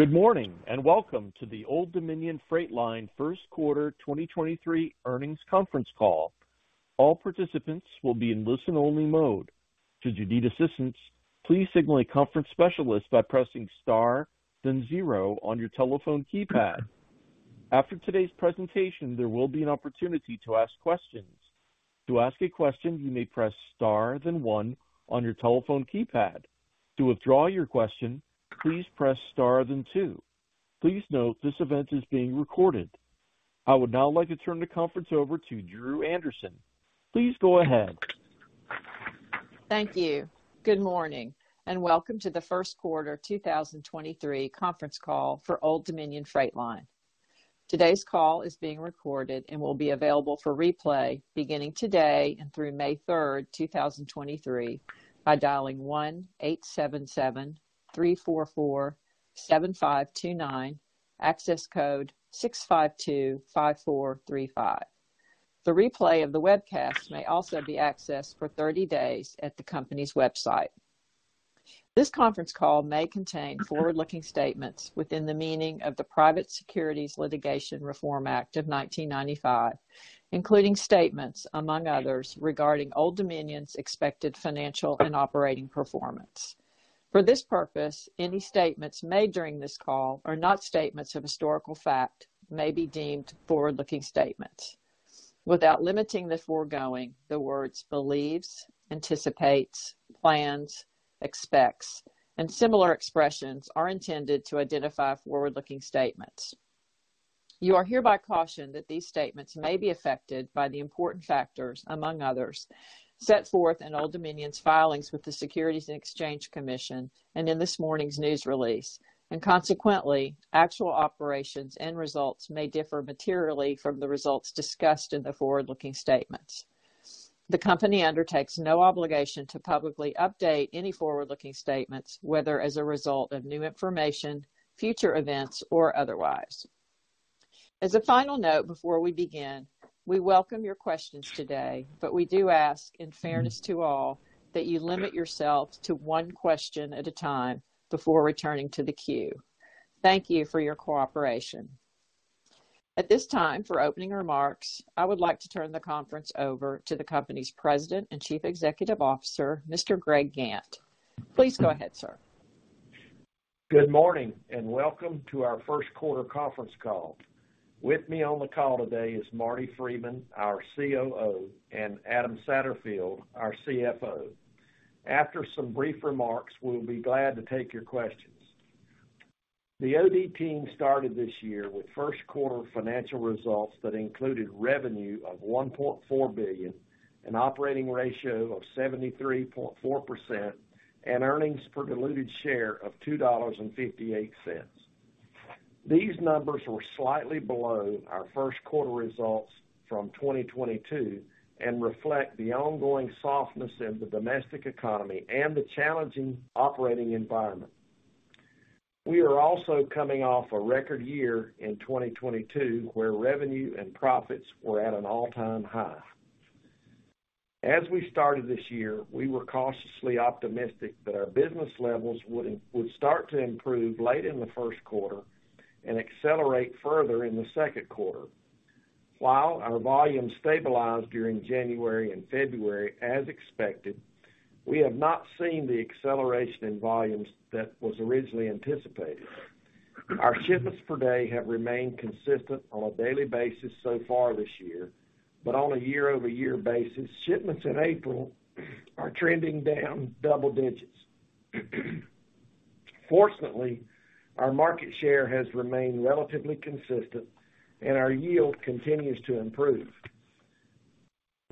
Good morning, welcome to the Old Dominion Freight Line first quarter 2023 earnings conference call. All participants will be in listen-only mode. Should you need assistance, please signal a conference specialist by pressing star, then zero on your telephone keypad. After today's presentation, there will be an opportunity to ask questions. To ask a question, you may press star then one on your telephone keypad. To withdraw your question, please press star, then two. Please note this event is being recorded. I would now like to turn the conference over to Drew Anderson. Please go ahead. Thank you. Good morning and welcome to the first quarter 2023 conference call for Old Dominion Freight Line. Today's call is being recorded and will be available for replay beginning today and through May 3rd, 2023 by dialing 18773447529, access code 6525435. The replay of the webcast may also be accessed for 30 days at the company's website. This conference call may contain forward-looking statements within the meaning of the Private Securities Litigation Reform Act of 1995, including statements, among others, regarding Old Dominion's expected financial and operating performance. For this purpose, any statements made during this call are not statements of historical fact, may be deemed forward-looking statements. Without limiting the foregoing, the words believes, anticipates, plans, expects, and similar expressions are intended to identify forward-looking statements. You are hereby cautioned that these statements may be affected by the important factors, among others, set forth in Old Dominion's filings with the Securities and Exchange Commission and in this morning's news release. Consequently, actual operations and results may differ materially from the results discussed in the forward-looking statements. The company undertakes no obligation to publicly update any forward-looking statements, whether as a result of new information, future events, or otherwise. As a final note before we begin, we welcome your questions today, but we do ask, in fairness to all, that you limit yourself to one question at a time before returning to the queue. Thank you for your cooperation. At this time, for opening remarks, I would like to turn the conference over to the company's President and Chief Executive Officer, Mr. Greg Gantt. Please go ahead, sir. Good morning and welcome to our first quarter conference call. With me on the call today is Marty Freeman, our COO, and Adam Satterfield, our CFO. After some brief remarks, we'll be glad to take your questions. The OD team started this year with first quarter financial results that included revenue of $1.4 billion, an operating ratio of 73.4%, and earnings per diluted share of $2.58. These numbers were slightly below our first quarter results from 2022 and reflect the ongoing softness in the domestic economy and the challenging operating environment. We are also coming off a record year in 2022, where revenue and profits were at an all-time high. As we started this year, we were cautiously optimistic that our business levels would start to improve late in the first quarter and accelerate further in the second quarter. While our volume stabilized during January and February as expected, we have not seen the acceleration in volumes that was originally anticipated. Our shipments per day have remained consistent on a daily basis so far this year, but on a year-over-year basis, shipments in April are trending down double digits. Fortunately, our market share has remained relatively consistent and our yield continues to improve.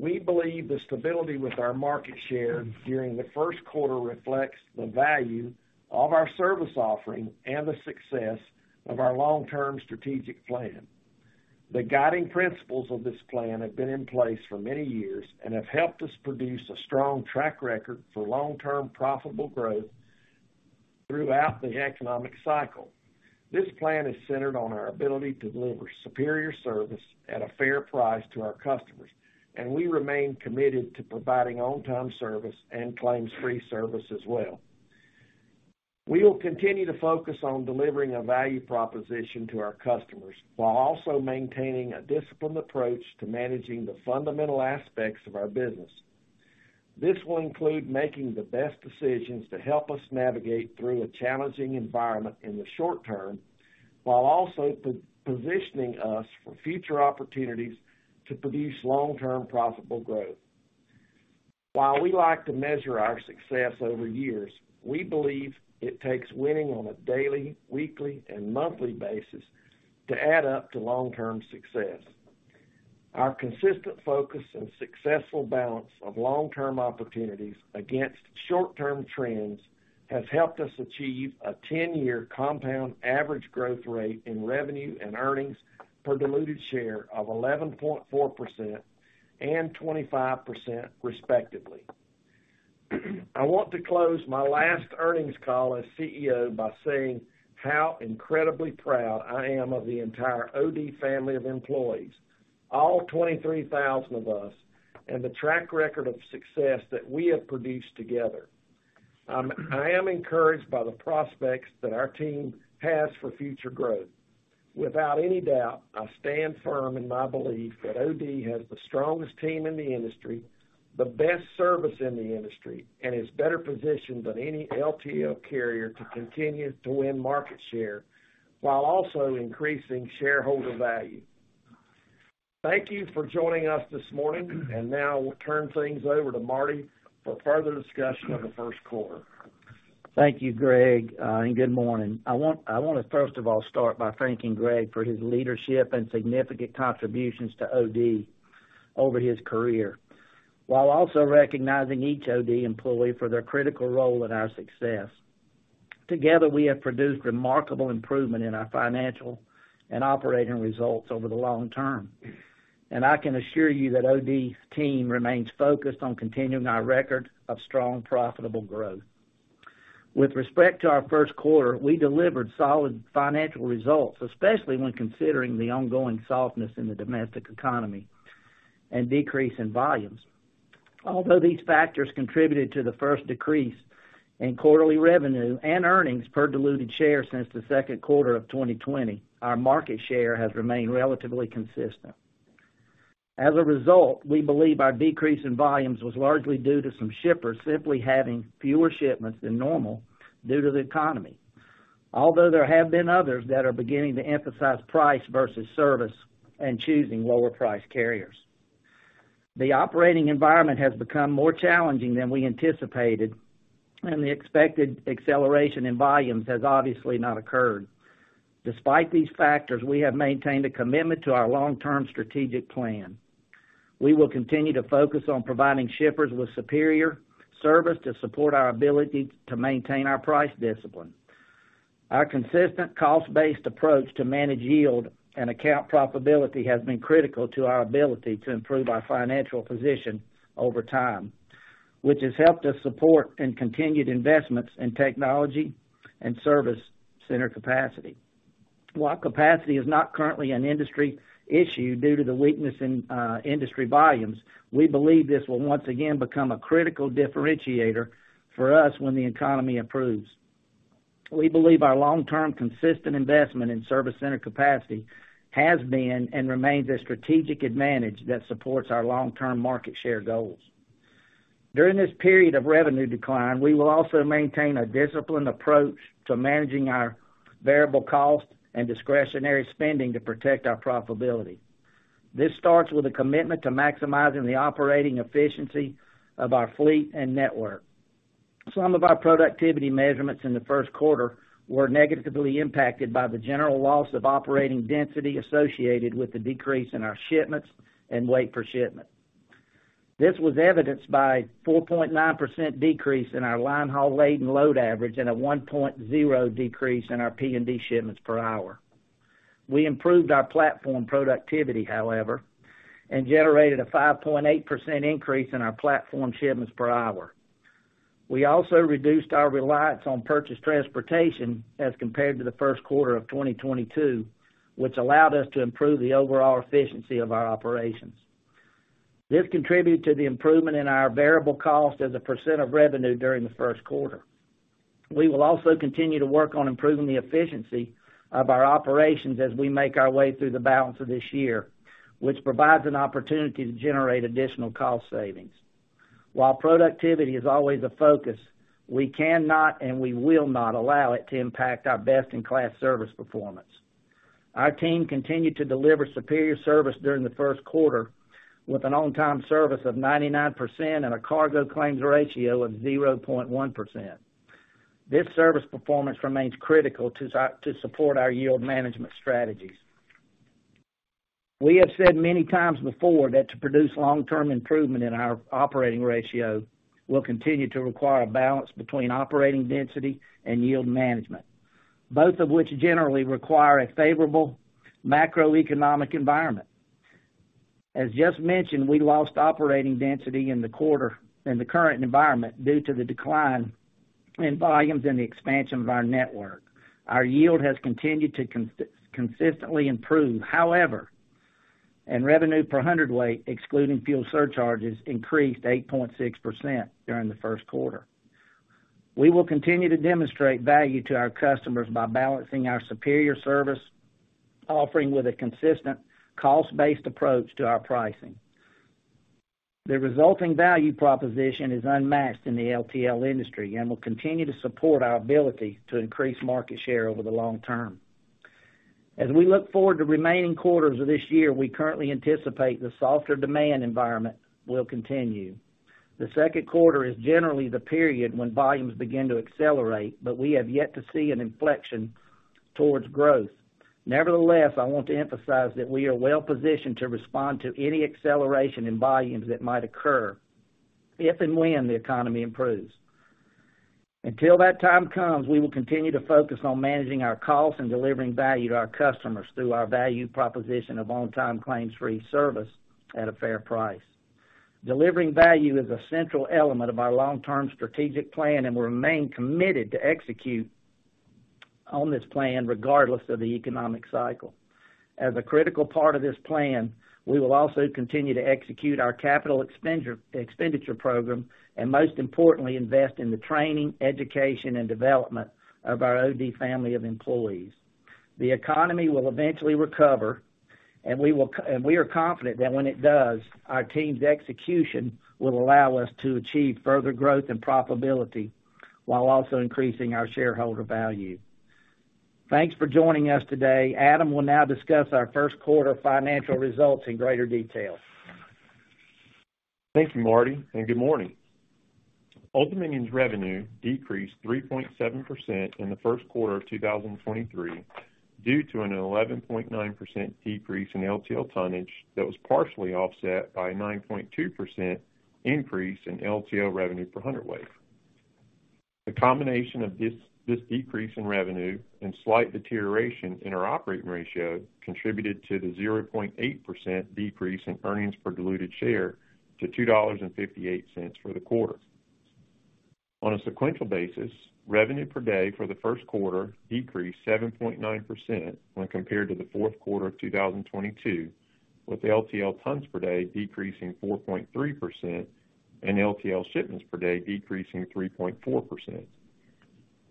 We believe the stability with our market share during the first quarter reflects the value of our service offering and the success of our long-term strategic plan. The guiding principles of this plan have been in place for many years and have helped us produce a strong track record for long-term profitable growth throughout the economic cycle. This plan is centered on our ability to deliver superior service at a fair price to our customers. We remain committed to providing on-time service and claims-free service as well. We will continue to focus on delivering a value proposition to our customers while also maintaining a disciplined approach to managing the fundamental aspects of our business. This will include making the best decisions to help us navigate through a challenging environment in the short term, while also positioning us for future opportunities to produce long-term profitable growth. While we like to measure our success over years, we believe it takes winning on a daily, weekly, and monthly basis to add up to long-term success. Our consistent focus and successful balance of long-term opportunities against short-term trends has helped us achieve a 10-year compound average growth rate in revenue and earnings per diluted share of 11.4% and 25% respectively. I want to close my last earnings call as CEO by saying how incredibly proud I am of the entire OD family of employees. All 23,000 of us and the track record of success that we have produced together. I am encouraged by the prospects that our team has for future growth. Without any doubt, I stand firm in my belief that OD has the strongest team in the industry, the best service in the industry, and is better positioned than any LTL carrier to continue to win market share while also increasing shareholder value. Thank you for joining us this morning, and now we'll turn things over to Marty for further discussion of the first quarter. Thank you, Greg, and good morning. I wanna first of all start by thanking Greg for his leadership and significant contributions to OD over his career, while also recognizing each OD employee for their critical role in our success. Together, we have produced remarkable improvement in our financial and operating results over the long term, and I can assure you that OD's team remains focused on continuing our record of strong, profitable growth. With respect to our first quarter, we delivered solid financial results, especially when considering the ongoing softness in the domestic economy and decrease in volumes. Although these factors contributed to the first decrease in quarterly revenue and earnings per diluted share since the second quarter of 2020, our market share has remained relatively consistent. As a result, we believe our decrease in volumes was largely due to some shippers simply having fewer shipments than normal due to the economy. All though there have been others that are beginning to emphasize price versus service and choosing lower price carriers. The operating environment has become more challenging than we anticipated, and the expected acceleration in volumes has obviously not occurred. Despite these factors, we have maintained a commitment to our long-term strategic plan. We will continue to focus on providing shippers with superior service to support our ability to maintain our price discipline. Our consistent cost-based approach to manage yield and account profitability has been critical to our ability to improve our financial position over time, which has helped us support in continued investments in technology and service center capacity. While capacity is not currently an industry issue due to the weakness in industry volumes, we believe this will once again become a critical differentiator for us when the economy improves. We believe our long-term consistent investment in service center capacity has been and remains a strategic advantage that supports our long-term market share goals. During this period of revenue decline, we will also maintain a disciplined approach to managing our variable cost and discretionary spending to protect our profitability. This starts with a commitment to maximizing the operating efficiency of our fleet and network. Some of our productivity measurements in the first quarter were negatively impacted by the general loss of operating density associated with the decrease in our shipments and weight per shipment. This was evidenced by 4.9% decrease in our linehaul weight and load average and a 1.0 decrease in our P&D shipments per hour. We improved our platform productivity, however, and generated a 5.8% increase in our platform shipments per hour. We also reduced our reliance on purchased transportation as compared to the first quarter of 2022, which allowed us to improve the overall efficiency of our operations. This contributed to the improvement in our variable cost as a percent of revenue during the first quarter. We will also continue to work on improving the efficiency of our operations as we make our way through the balance of this year, which provides an opportunity to generate additional cost savings. While productivity is always a focus, we cannot and we will not allow it to impact our best-in-class service performance. Our team continued to deliver superior service during the first quarter with an on-time service of 99% and a cargo claims ratio of 0.1%. This service performance remains critical to support our yield management strategies. We have said many times before that to produce long-term improvement in our operating ratio will continue to require a balance between operating density and yield management, both of which generally require a favorable macroeconomic environment. As just mentioned, we lost operating density in the quarter in the current environment due to the decline in volumes and the expansion of our network. Our yield has continued to consistently improve, however, and revenue per hundredweight, excluding fuel surcharges, increased 8.6% during the first quarter. We will continue to demonstrate value to our customers by balancing our superior service offering with a consistent cost-based approach to our pricing. The resulting value proposition is unmatched in the LTL industry and will continue to support our ability to increase market share over the long term. As we look forward to remaining quarters of this year, we currently anticipate the softer demand environment will continue. The second quarter is generally the period when volumes begin to accelerate, but we have yet to see an inflection towards growth. Nevertheless, I want to emphasize that we are well-positioned to respond to any acceleration in volumes that might occur if and when the economy improves. Until that time comes, we will continue to focus on managing our costs and delivering value to our customers through our value proposition of on-time claims-free service at a fair price. Delivering value is a central element of our long-term strategic plan, and we remain committed to execute on this plan, regardless of the economic cycle. As a critical part of this plan, we will also continue to execute our capital expenditure program, and most importantly, invest in the training, education, and development of our OD family of employees. The economy will eventually recover, and we are confident that when it does, our team's execution will allow us to achieve further growth and profitability while also increasing our shareholder value. Thanks for joining us today. Adam will now discuss our first quarter financial results in greater detail. Thank you, Marty, and good morning. Old Dominion's revenue decreased 3.7% in the first quarter of 2023 due to an 11.9% decrease in LTL tonnage that was partially offset by a 9.2% increase in LTL revenue per hundredweight. The combination of this decrease in revenue and slight deterioration in our operating ratio contributed to the 0.8% decrease in earnings per diluted share to $2.58 for the quarter. On a sequential basis, revenue per day for the first quarter decreased 7.9% when compared to the fourth quarter of 2022, with LTL tons per day decreasing 4.3% and LTL shipments per day decreasing 3.4%.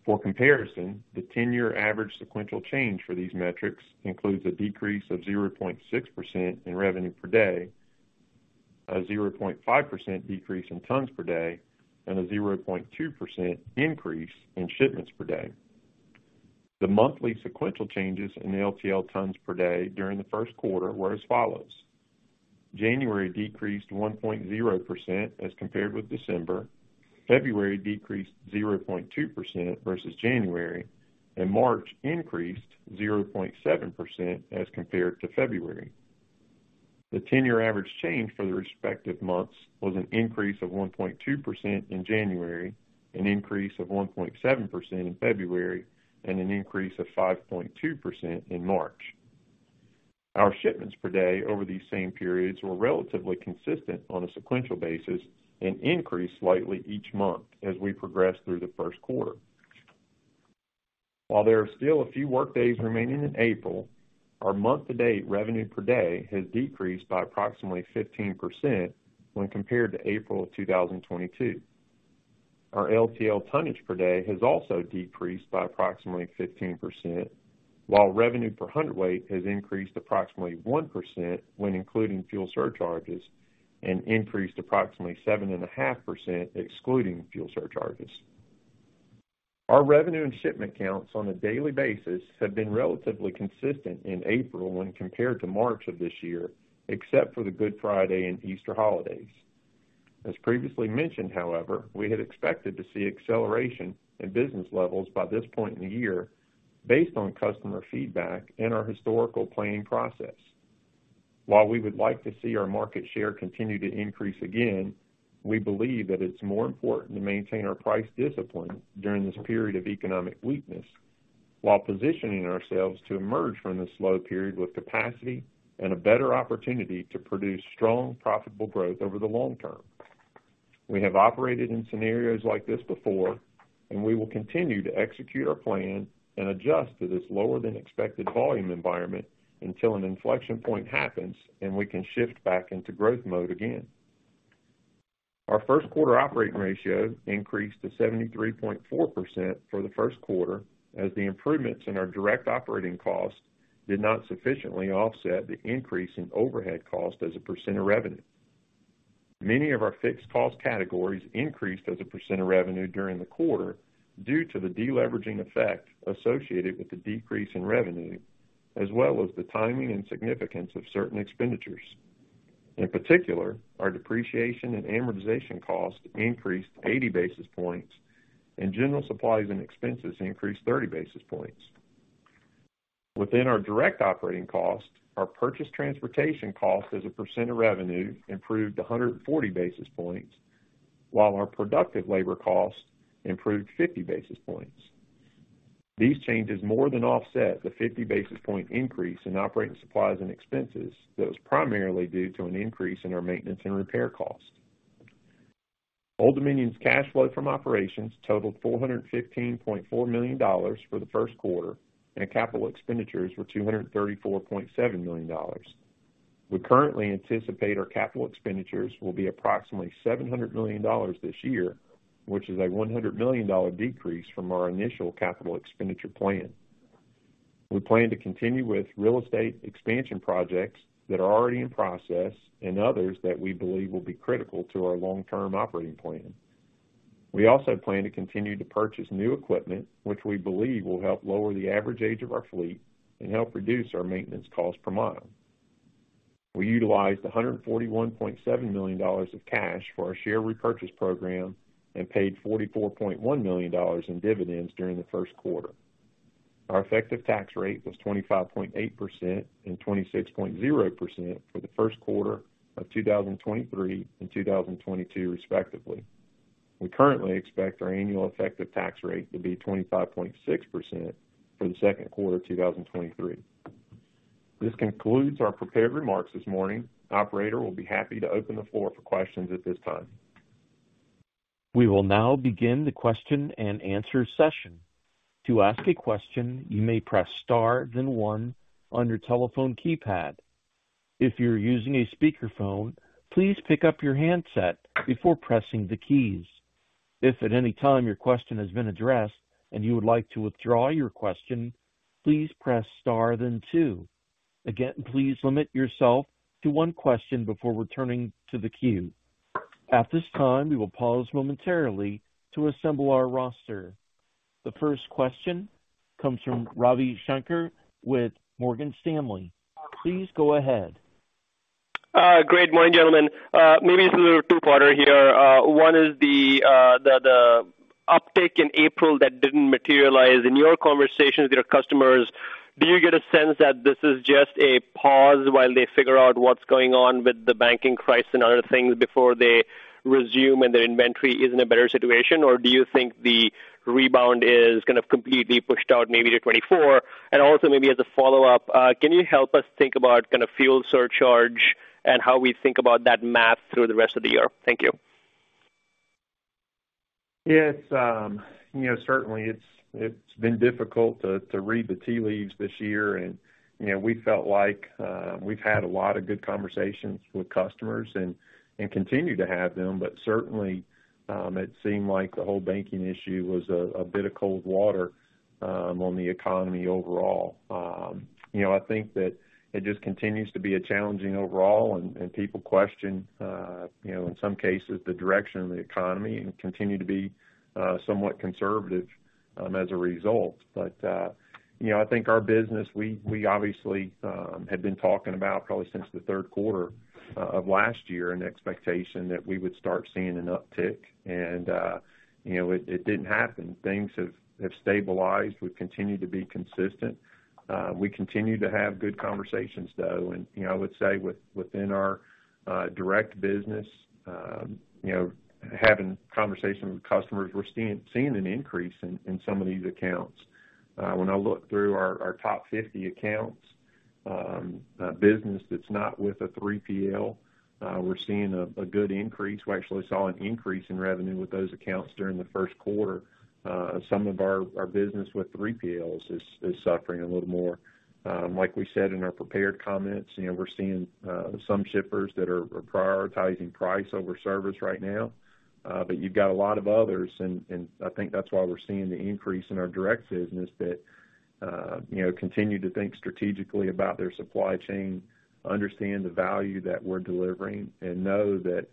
For comparison, the 10-year average sequential change for these metrics includes a decrease of 0.6% in revenue per day, a 0.5% decrease in tons per day, and a 0.2% increase in shipments per day. The monthly sequential changes in LTL tons per day during the first quarter were as follows. January decreased 1.0% as compared with December, February decreased 0.2% versus January, and March increased 0.7% as compared to February. The 10-year average change for the respective months was an increase of 1.2% in January, an increase of 1.7% in February, and an increase of 5.2% in March. Our shipments per day over these same periods were relatively consistent on a sequential basis and increased slightly each month as we progressed through the first quarter. While there are still a few workdays remaining in April, our month-to-date revenue per day has decreased by approximately 15% when compared to April of 2022. Our LTL tonnage per day has also decreased by approximately 15%, while revenue per hundredweight has increased approximately 1% when including fuel surcharges and increased approximately 7.5% excluding fuel surcharges. Our revenue and shipment counts on a daily basis have been relatively consistent in April when compared to March of this year, except for the Good Friday and Easter holidays. As previously mentioned, however, we had expected to see acceleration in business levels by this point in the year based on customer feedback and our historical planning process. While we would like to see our market share continue to increase again, we believe that it's more important to maintain our price discipline during this period of economic weakness while positioning ourselves to emerge from this slow period with capacity and a better opportunity to produce strong, profitable growth over the long term. We have operated in scenarios like this before, and we will continue to execute our plan and adjust to this lower than expected volume environment until an inflection point happens and we can shift back into growth mode again. Our first quarter operating ratio increased to 73.4% for the first quarter, as the improvements in our direct operating costs did not sufficiently offset the increase in overhead cost as a percent of revenue. Many of our fixed cost categories increased as a percent of revenue during the quarter due to the deleveraging effect associated with the decrease in revenue, as well as the timing and significance of certain expenditures. In particular, our depreciation and amortization cost increased 80 basis points and general supplies and expenses increased 30 basis points. Within our direct operating cost, our purchased transportation cost as a percent of revenue improved 140 basis points, while our productive labor cost improved 50 basis points. These changes more than offset the 50 basis point increase in operating supplies and expenses that was primarily due to an increase in our maintenance and repair cost. Old Dominion's cash flow from operations totaled $415.4 million for the first quarter, and capital expenditures were $234.7 million. We currently anticipate our capital expenditures will be approximately $700 million this year, which is a $100 million decrease from our initial capital expenditure plan. We plan to continue with real estate expansion projects that are already in process and others that we believe will be critical to our long-term operating plan. We also plan to continue to purchase new equipment, which we believe will help lower the average age of our fleet and help reduce our maintenance cost per mile. We utilized $141.7 million of cash for our share repurchase program and paid $44.1 million in dividends during the first quarter. Our effective tax rate was 25.8% and 26.0% for the first quarter of 2023 and 2022 respectively. We currently expect our annual effective tax rate to be 25.6% for the second quarter of 2023. This concludes our prepared remarks this morning. The operator will be happy to open the floor for questions at this time.. We will now begin the question-and-answer session. To ask a question, you may press star then one on your telephone keypad. If you're using a speakerphone, please pick up your handset before pressing the keys. If at any time your question has been addressed and you would like to withdraw your question, please press star then two. Again, please limit yourself to one question before returning to the queue. At this time, we will pause momentarily to assemble our roster. The first question comes from Ravi Shanker with Morgan Stanley. Please go ahead. Great morning, gentlemen. Maybe it's a little two-parter here. One is the uptick in April that didn't materialize. In your conversations with your customers, do you get a sense that this is just a pause while they figure out what's going on with the banking crisis and other things before they resume and their inventory is in a better situation or do you think the rebound is gonna completely pushed out maybe to 2024? Also maybe as a follow-up, can you help us think about kind of fuel surcharge and how we think about that math through the rest of the year? Thank you. Yes, you know, certainly it's been difficult to read the tea leaves this year. You know, we felt like, we've had a lot of good conversations with customers and continue to have them. Certainly, it seemed like the whole banking issue was a bit of cold water, on the economy overall. You know, I think that it just continues to be a challenging overall, and people question, you know, in some cases the direction of the economy and continue to be, somewhat conservative, as a result. You know, I think our business, we obviously, had been talking about probably since the third quarter, of last year, an expectation that we would start seeing an uptick and, you know, it didn't happen. Things have stabilized. We continue to be consistent. We continue to have good conversations, though. You know, I would say within our direct business, you know, having conversations with customers, we're seeing an increase in some of these accounts. When I look through our top 50 accounts, business that's not with a 3PL, we're seeing a good increase. We actually saw an increase in revenue with those accounts during the first quarter. Some of our business with 3PLs is suffering a little more. Like we said in our prepared comments, you know, we're seeing some shippers that are prioritizing price over service right now. You've got a lot of others and, I think that's why we're seeing the increase in our direct business that, you know, continue to think strategically about their supply chain, understand the value that we're delivering, and know that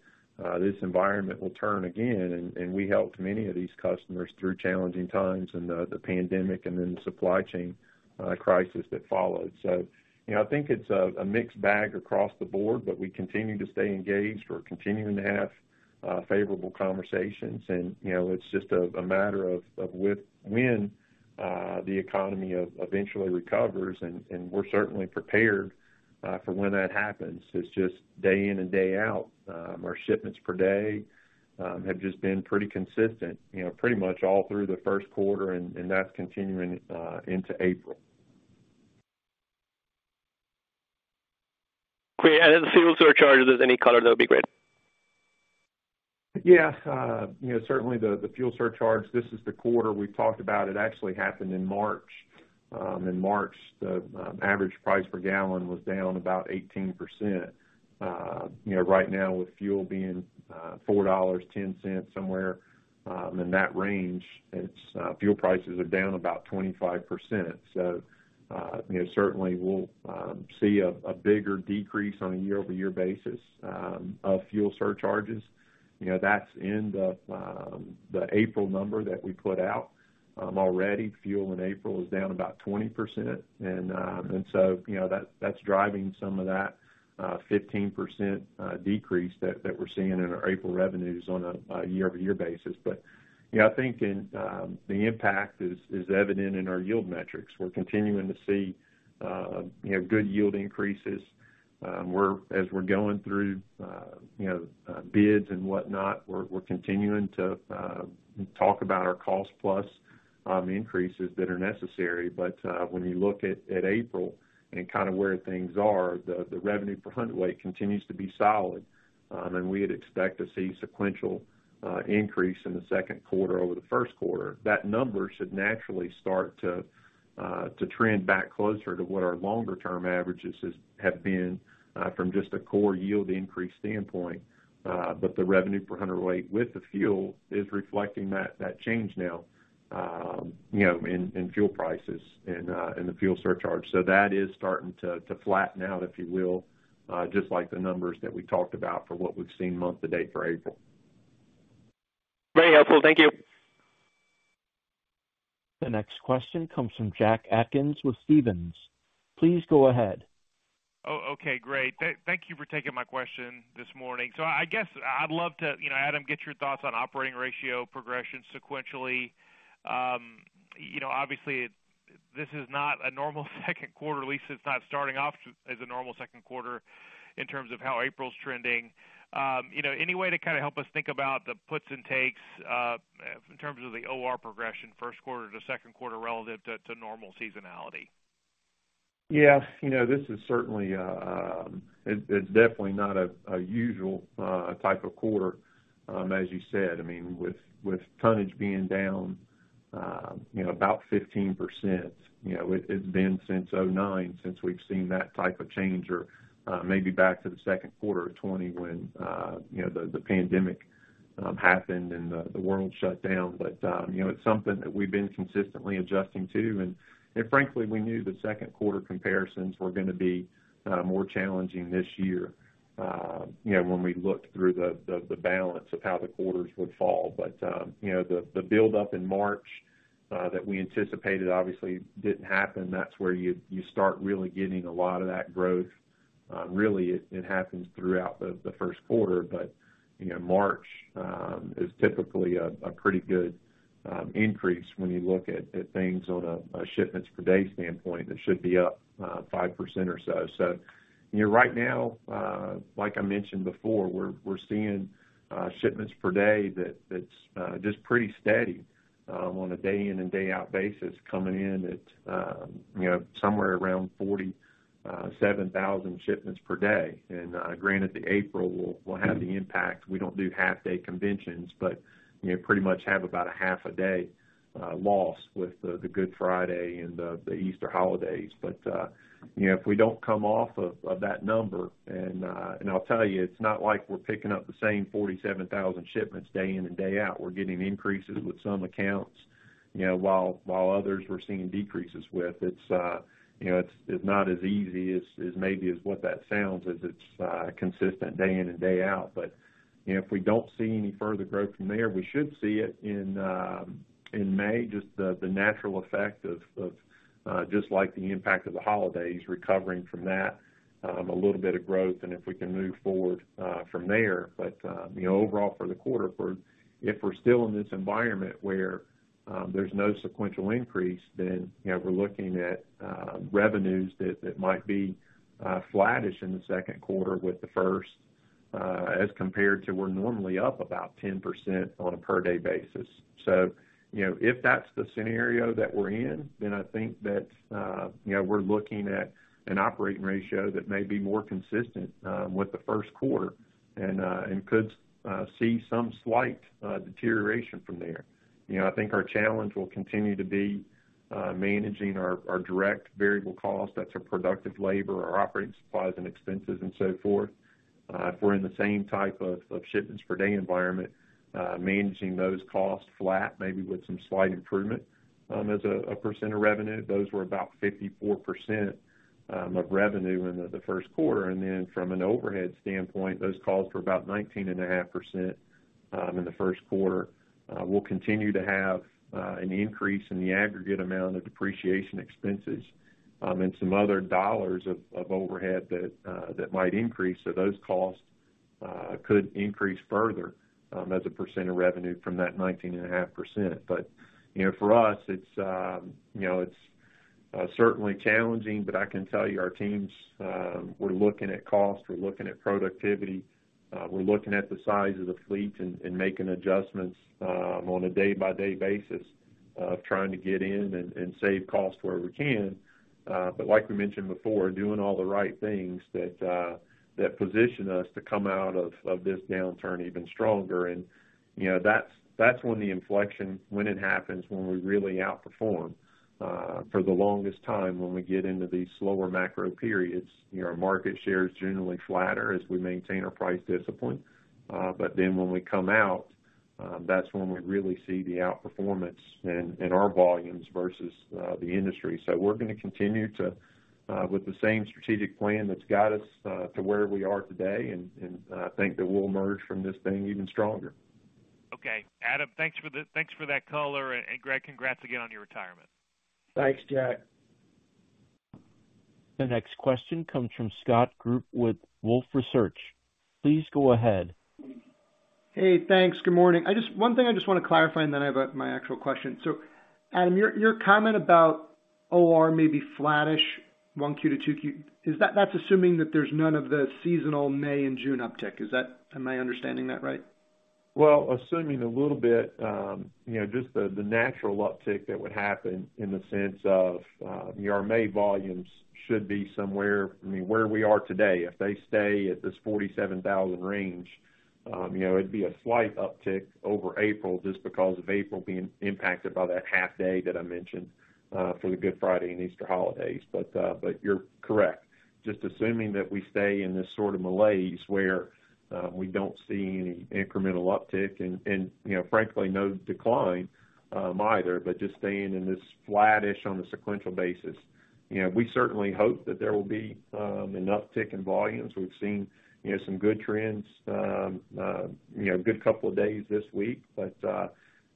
this environment will turn again. We helped many of these customers through challenging times and the pandemic and then the supply chain crisis that followed. You know, I think it's a mixed bag across the board, but we continue to stay engaged. We're continuing to have favorable conversations and, you know, it's just a matter of when the economy eventually recovers and, we're certainly prepared for when that happens. It's just day in and day out. Our shipments per day, have just been pretty consistent, you know, pretty much all through the first quarter and that's continuing into April. Great. The fuel surcharge, if there's any color, that would be great. Yeah. you know, certainly the fuel surcharge, this is the quarter we've talked about. It actually happened in March. In March, the average price per gallon was down about 18%. You know, right now with fuel being $4.10 somewhere in that range, it's fuel prices are down about 25%. You know, certainly we'll see a bigger decrease on a year-over-year basis of fuel surcharges. You know, that's in the April number that we put out. Already fuel in April is down about 20%. You know, that's driving some of that 15% decrease that we're seeing in our April revenues on a year-over-year basis. You know, I think in the impact is evident in our yield metrics. We're continuing to see, you know, good yield increases. As we're going through, you know, bids and whatnot, we're continuing to talk about our cost plus increases that are necessary. When you look at April and kind of where things are, the revenue per hundredweight continues to be solid. We'd expect to see sequential increase in the second quarter over the first quarter. That number should naturally start to trend back closer to what our longer term averages have been, from just a core yield increase standpoint. The revenue per hundredweight with the fuel is reflecting that change now, you know, in fuel prices and the fuel surcharge. That is starting to flatten out, if you will, just like the numbers that we talked about for what we've seen month-to-date for April. Very helpful. Thank you. The next question comes from Jack Atkins with Stephens. Please go ahead. Okay, great. Thank you for taking my question this morning. I guess I'd love to, you know, Adam, get your thoughts on operating ratio progression sequentially. You know, obviously this is not a normal second quarter, at least it's not starting off as a normal second quarter in terms of how April's trending. You know, any way to kind of help us think about the puts and takes in terms of the OR progression first quarter to second quarter relative to normal seasonality? Yeah. You know, this is certainly, it's definitely not a usual type of quarter, as you said. I mean, with tonnage being down, you know, about 15%, you know, it's been since 2009 since we've seen that type of change, or maybe back to the second quarter of 2020 when, you know, the pandemic happened and the world shut down. You know, it's something that we've been consistently adjusting to. Frankly, we knew the second quarter comparisons were gonna be more challenging this year, you know, when we looked through the balance of how the quarters would fall. You know, the buildup in March that we anticipated obviously didn't happen. That's where you start really getting a lot of that growth. Really it happens throughout the first quarter, but, you know, March is typically a pretty good increase when you look at things on a shipments per day standpoint. It should be up 5% or so. You know, right now, like I mentioned before, we're seeing shipments per day that's just pretty steady on a day in and day out basis, coming in at, you know, somewhere around 47,000 shipments per day. Granted, the April will have the impact. We don't do half-day conventions, but we pretty much have about a half a day loss with the Good Friday and the Easter holidays. You know, if we don't come off of that number and I'll tell you, it's not like we're picking up the same 47,000 shipments day in and day out. We're getting increases with some accounts, you know, while others we're seeing decreases with. It's, you know, it's not as easy as maybe as what that sounds, as it's consistent day in and day out. You know, if we don't see any further growth from there, we should see it in May, just the natural effect of just like the impact of the holidays, recovering from that, a little bit of growth and if we can move forward from there. You know, overall for the quarter, for... if we're still in this environment where there's no sequential increase, then, you know, we're looking at revenues that might be flattish in the second quarter with the first as compared to we're normally up about 10% on a per day basis. You know, if that's the scenario that we're in, then I think that, you know, we're looking at an operating ratio that may be more consistent with the first quarter and could see some slight deterioration from there. You know, I think our challenge will continue to be managing our direct variable costs. That's our productive labor, our operating supplies and expenses and so forth. If we're in the same type of shipments per day environment, managing those costs flat, maybe with some slight improvement, as a percent of revenue. Those were about 54% of revenue in the first quarter. From an overhead standpoint, those costs were about 19.5% in the first quarter. We'll continue to have an increase in the aggregate amount of depreciation expenses, and some other dollars of overhead that might increase. Those costs could increase further as a percent of revenue from that 19.5%. You know, for us, it's, you know, it's certainly challenging, but I can tell you our teams, we're looking at cost, we're looking at productivity, we're looking at the size of the fleet and making adjustments on a day-by-day basis of trying to get in and save costs where we can. Like we mentioned before, doing all the right things that position us to come out of this downturn even stronger. You know, that's when the inflection, when it happens, when we really outperform. For the longest time, when we get into these slower macro periods, you know, our market share is generally flatter as we maintain our price discipline. When we come out, that's when we really see the outperformance in our volumes versus, the industry. We're gonna continue to with the same strategic plan that's got us to where we are today, and I think that we'll emerge from this thing even stronger. Okay. Adam, thanks for that color. Greg, congrats again on your retirement. Thanks, Jack. The next question comes from Scott Group with Wolfe Research. Please go ahead. Hey, thanks. Good morning. One thing I just want to clarify, and then I have my actual question. Adam, your comment about OR may be flattish 1Q-2Q, is that assuming that there's none of the seasonal May and June uptick? Am I understanding that right? Assuming a little bit, you know, just the natural uptick that would happen in the sense of, your May volumes should be somewhere, I mean, where we are today. If they stay at this 47,000 range, you know, it'd be a slight uptick over April just because of April being impacted by that half day that I mentioned, for the Good Friday and Easter holidays. You're correct. Just assuming that we stay in this sort of malaise where, we don't see any incremental uptick and, you know, frankly, no decline, either, but just staying in this flattish on a sequential basis. You know, we certainly hope that there will be an uptick in volumes. We've seen, you know, some good trends, you know, a good couple of days this week.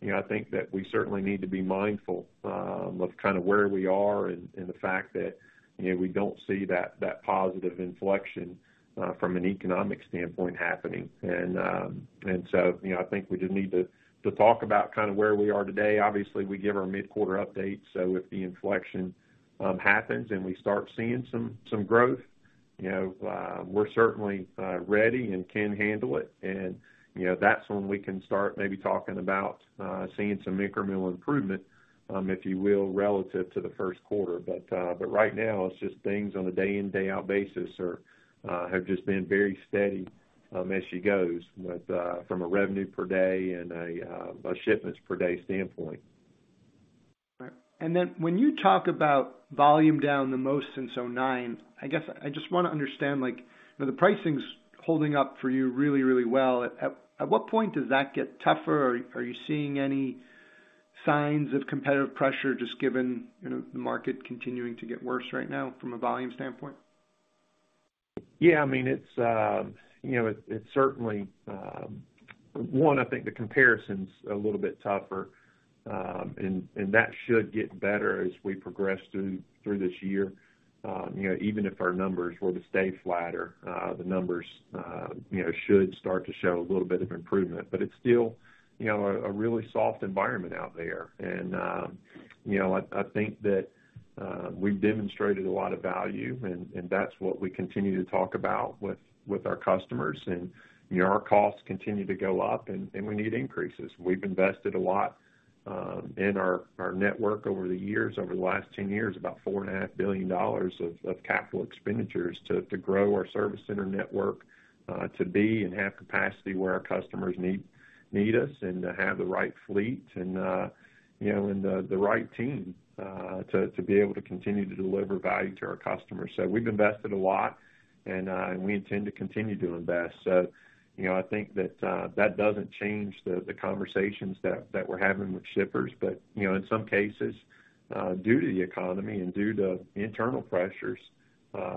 You know, I think that we certainly need to be mindful of kinda where we are and the fact that, you know, we don't see that positive inflection from an economic standpoint happening. You know, I think we just need to talk about kinda where we are today. Obviously, we give our mid-quarter update, so if the inflection happens and we start seeing some growth. You know, we're certainly ready and can handle it. You know, that's when we can start maybe talking about seeing some incremental improvement, if you will, relative to the first quarter. Right now, it's just things on a day in, day out basis are, have just been very steady, as you go with, from a revenue per day and a shipments per day standpoint. All right. Then when you talk about volume down the most since 2009, I guess I just wanna understand, like, you know, the pricing's holding up for you really, really well. At what point does that get tougher? Are you seeing any signs of competitive pressure just given, you know, the market continuing to get worse right now from a volume standpoint? Yeah. I mean, it's, you know, it certainly, one, I think the comparison's a little bit tougher, and that should get better as we progress through this year. You know, even if our numbers were to stay flatter, the numbers, you know, should start to show a little bit of improvement. It's still, you know, a really soft environment out there. You know, I think that we've demonstrated a lot of value, and that's what we continue to talk about with our customers. You know, our costs continue to go up and we need increases. We've invested a lot in our network over the years, over the last 10 years, about $4.5 billion of capital expenditures to grow our service center network, to be and have capacity where our customers need us and to have the right fleet and you know, and the right team to be able to continue to deliver value to our customers. We've invested a lot, and we intend to continue to invest. You know, I think that doesn't change the conversations that we're having with shippers. You know, in some cases, due to the economy and due to internal pressures,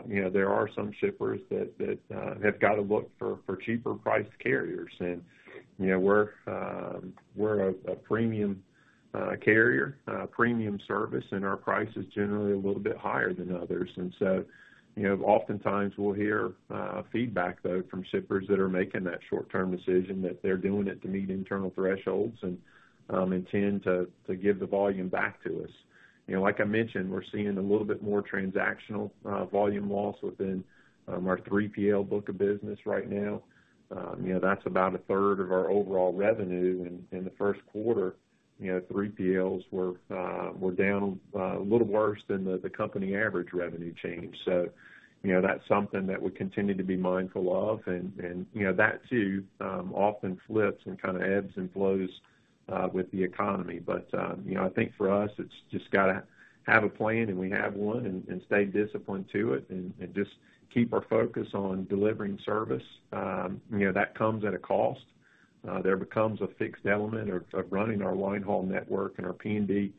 you know, there are some shippers that have got to look for cheaper priced carriers. You know, we're a premium carrier, premium service, and our price is generally a little bit higher than others. You know, oftentimes we'll hear feedback though from shippers that are making that short-term decision, that they're doing it to meet internal thresholds and intend to give the volume back to us. You know, like I mentioned, we're seeing a little bit more transactional volume loss within our 3PL book of business right now. You know, that's about 1/3 of our overall revenue. In the first quarter, you know, 3PLs were down a little worse than the company average revenue change. You know, that's something that we continue to be mindful of. You know, that too, often flips and kinda ebbs and flows with the economy. You know, I think for us, it's just gotta have a plan, and we have one, and stay disciplined to it and just keep our focus on delivering service. You know, that comes at a cost. There becomes a fixed element of running our linehaul network and our P&D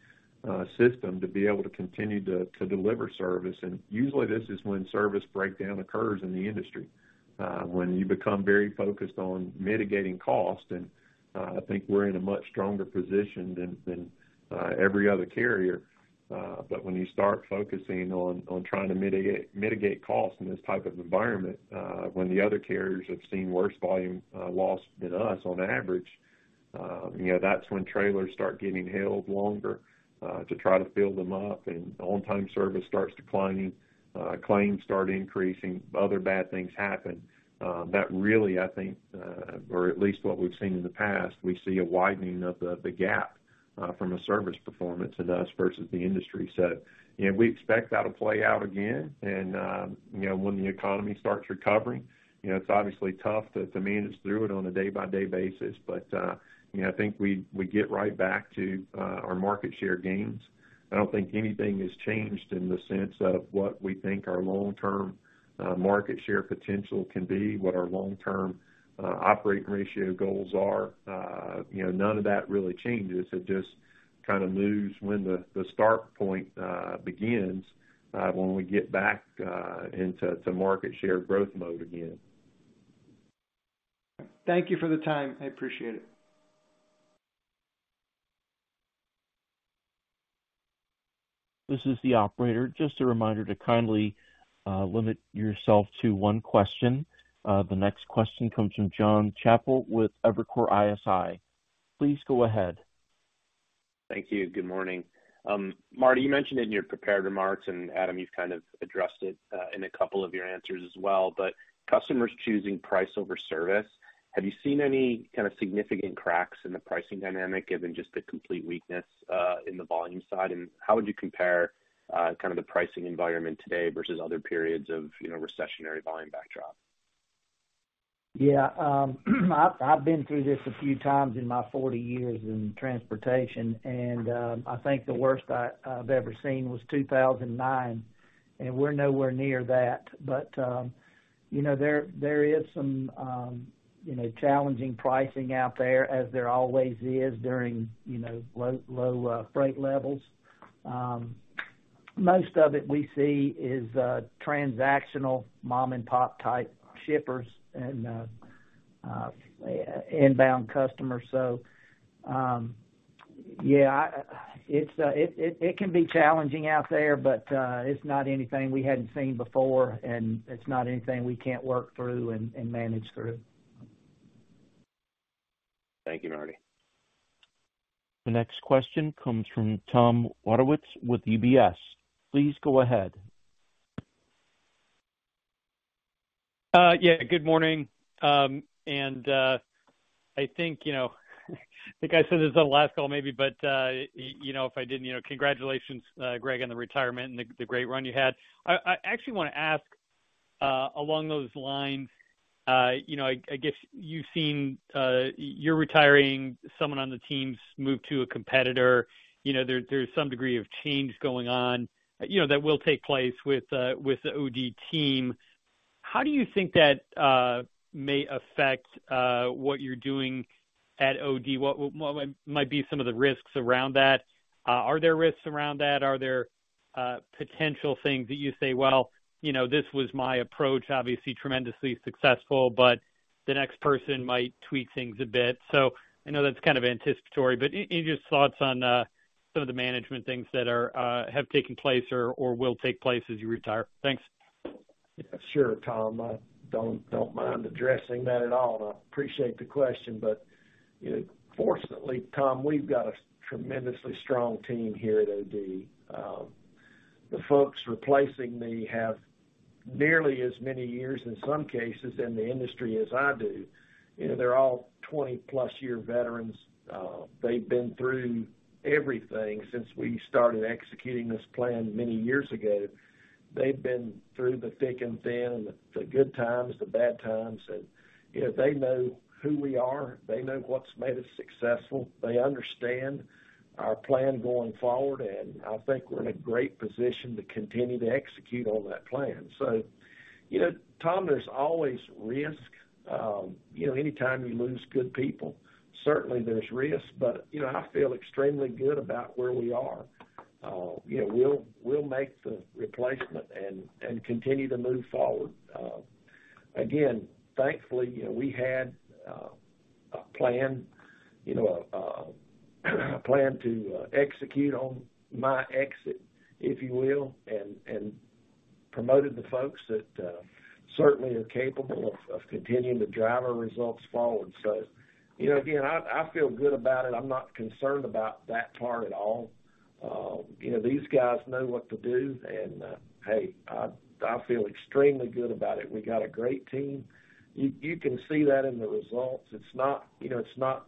system to be able to continue to deliver service. Usually, this is when service breakdown occurs in the industry, when you become very focused on mitigating cost, and I think we're in a much stronger position than every other carrier. When you start focusing on trying to mitigate costs in this type of environment, when the other carriers have seen worse volume, loss than us on average, you know, that's when trailers start getting held longer to try to fill them up, and on-time service starts declining, claims start increasing, other bad things happen. That really, I think, or at least what we've seen in the past, we see a widening of the gap from a service performance in us versus the industry. You know, we expect that'll play out again. You know, when the economy starts recovering, you know, it's obviously tough to manage through it on a da-by-day basis. I think we get right back to our market share gains. I don't think anything has changed in the sense of what we think our long-term, market share potential can be, what our long-term, operating ratio goals are. You know, none of that really changes. It just kinda moves when the start point begins, when we get back into the market share growth mode again. Thank you for the time. I appreciate it. This is the operator. Just a reminder to kindly limit yourself to one question. The next question comes from Jon Chappell with Evercore ISI. Please go ahead. Thank you. Good morning. Marty, you mentioned in your prepared remarks, Adam, you've kind of addressed it in a couple of your answers as well, but customers choosing price over service, have you seen any kinda significant cracks in the pricing dynamic given just the complete weakness in the volume side? How would you compare kind of the pricing environment today versus other periods of recessionary volume backdrop? Yeah. I've been through this a few times in my 40 years in transportation, and I think the worst I've ever seen was 2009, and we're nowhere near that. You know, there is some, you know, challenging pricing out there, as there always is during, you know, low freight levels. Most of it we see is transactional mom-and-pop type shippers and inbound customers. Yeah, it can be challenging out there, it's not anything we hadn't seen before, and it's not anything we can't work through and manage through. Thank you, Marty. The next question comes from Tom Wadewitz with UBS. Please go ahead. Yeah, good morning. I think, you know, I think I said this on the last call maybe, but, you know, if I didn't, you know, congratulations, Greg, on the retirement and the great run you had. I actually wanna ask, along those lines, you know, I guess you've seen, you're retiring, someone on the team's moved to a competitor. You know, there's some degree of change going on, you know, that will take place with the OD team. How do you think that may affect what you're doing at OD? What might be some of the risks around that? Are there risks around that? Are there potential things that you say, "Well, you know, this was my approach, obviously tremendously successful, but the next person might tweak things a bit." I know that's kind of anticipatory, but any just thoughts on some of the management things that are have taken place or will take place as you retire? Thanks. Sure, Tom. I don't mind addressing that at all, and I appreciate the question. You know, fortunately, Tom, we've got a tremendously strong team here at OD. The folks replacing me have nearly as many years, in some cases, in the industry as I do. You know, they're all 20+ year veterans. They've been through everything since we started executing this plan many years ago. They've been through the thick and thin, the good times, the bad times. You know, they know who we are. They know what's made us successful. They understand our plan going forward, and I think we're in a great position to continue to execute on that plan. You know, Tom, there's always risk. You know, anytime you lose good people, certainly there's risk. You know, I feel extremely good about where we are. You know, we'll make the replacement and continue to move forward. Again, thankfully, you know, we had a plan, you know, a plan to execute on my exit, if you will, and promoted the folks that certainly are capable of continuing to drive our results forward. You know, again, I feel good about it. I'm not concerned about that part at all. You know, these guys know what to do, and hey, I feel extremely good about it. We got a great team. You can see that in the results. It's not, you know, it's not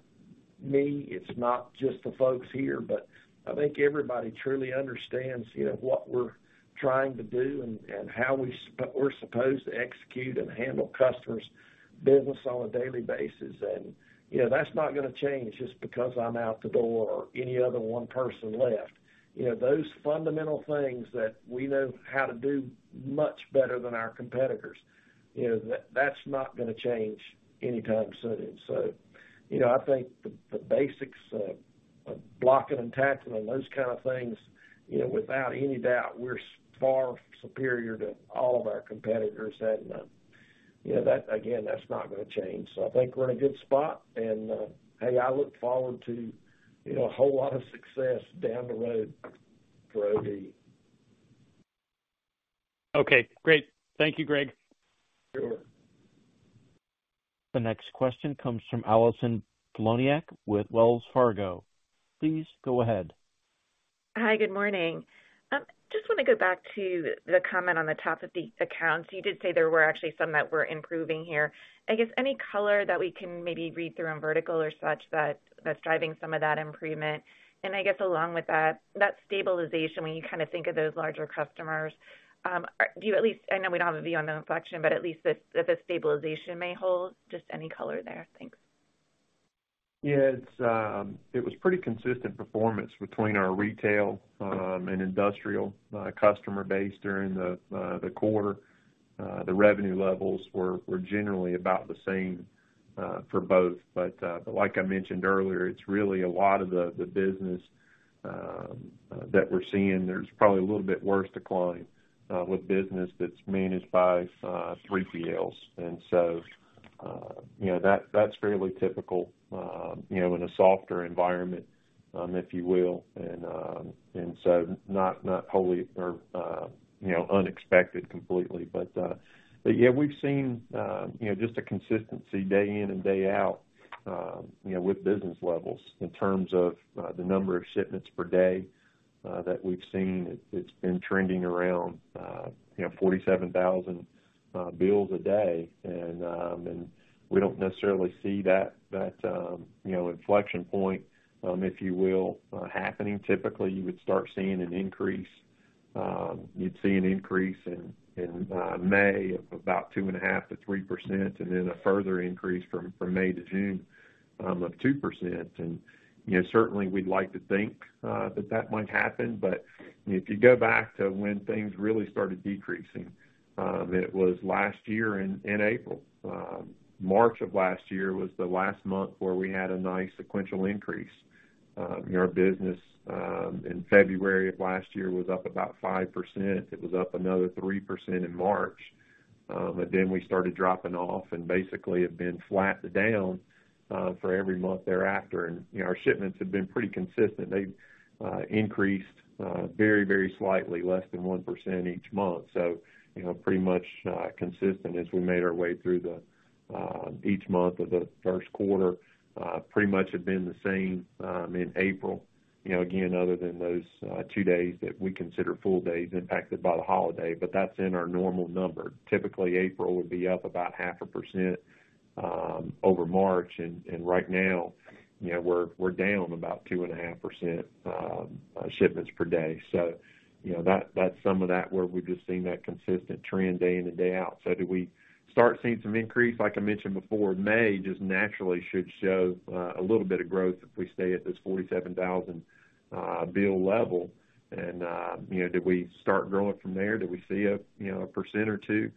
me, it's not just the folks here, but I think everybody truly understands, you know, what we're trying to do and how we're supposed to execute and handle customers' business on a daily basis. You know, that's not gonna change just because I'm out the door or any other one person left. You know, those fundamental things that we know how to do much better than our competitors, you know, that's not gonna change anytime soon. You know, I think the basics of blocking and tackling and those kind of things, you know, without any doubt, we're far superior to all of our competitors. You know, that, again, that's not gonna change. I think we're in a good spot. Hey, I look forward to, you know, a whole lot of success down the road for OD. Okay, great. Thank you, Greg. Sure. The next question comes from Allison Poliniak with Wells Fargo. Please go ahead. Hi, good morning. Just wanna go back to the comment on the top of the accounts. You did say there were actually some that were improving here. I guess any color that we can maybe read through on vertical or such that's driving some of that improvement? I guess along with that stabilization, when you kind of think of those larger customers, do you at least... I know we don't have a view on the inflection, but at least if the stabilization may hold, just any color there? Thanks. Yeah. It was pretty consistent performance between our retail and industrial customer base during the quarter. The revenue levels were generally about the same for both. But like I mentioned earlier, it's really a lot of the business that we're seeing. There's probably a little bit worse decline with business that's managed by 3PLs. you know, that's fairly typical, you know, in a softer environment, if you will. Not wholly or, you know, unexpected completely. But yeah, we've seen, you know, just a consistency day in and day out, you know, with business levels in terms of the number of shipments per day that we've seen. It's been trending around, you know, 47,000 bills a day. We don't necessarily see that, you know, inflection point, if you will, happening. Typically, you would start seeing an increase. You'd see an increase in May of about 2.5%-3%, and then a further increase from May to June of 2%. You know, certainly we'd like to think that might happen. If you go back to when things really started decreasing, it was last year in April. March of last year was the last month where we had a nice sequential increase. Our business in February of last year was up about 5%. It was up another 3% in March. We started dropping off and basically have been flat to down, for every month thereafter. You know, our shipments have been pretty consistent. They've, increased, very, very slightly, less than 1% each month. You know, pretty much, consistent as we made our way through each month of the first quarter pretty much had been the same in April. You know, again, other than those two days that we consider full days impacted by the holiday, but that's in our normal number. Typically, April would be up about 0.5% over March. Right now, you know, we're down about 2.5% shipments per day. You know, that's some of that where we've just seen that consistent trend day in and day out. Do we start seeing some increase? Like I mentioned before, May just naturally should show a little bit of growth if we stay at this 47,000 bill level. You know, do we start growing from there? Do we see a, you know, 1% or 2%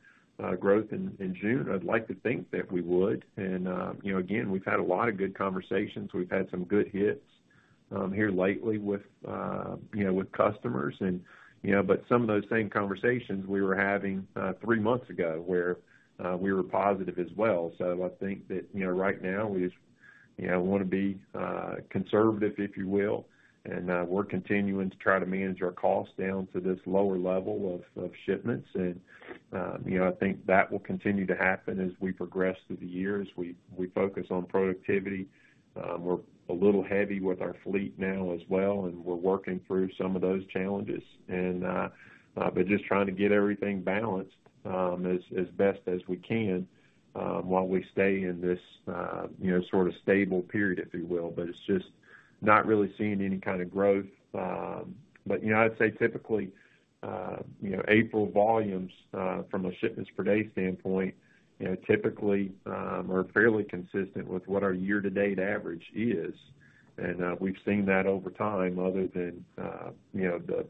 growth in June? I'd like to think that we would. You know, again, we've had a lot of good conversations. We've had some good hits here lately with, you know, with customers and, you know. Some of those same conversations we were having three months ago, where we were positive as well. I think that, you know, right now we just, you know, wanna be conservative, if you will. We're continuing to try to manage our costs down to this lower level of shipments. You know, I think that will continue to happen as we progress through the years. We focus on productivity. We're a little heavy with our fleet now as well, and we're working through some of those challenges. But just trying to get everything balanced, as best as we can, while we stay in this, you know, sort of stable period, if you will. But it's just not really seeing any kinda growth. But, you know, I'd say typically, you know, April volumes, from a shipments per day standpoint, you know, typically, are fairly consistent with what our year-to-date average is. We've seen that over time other than, you know, the,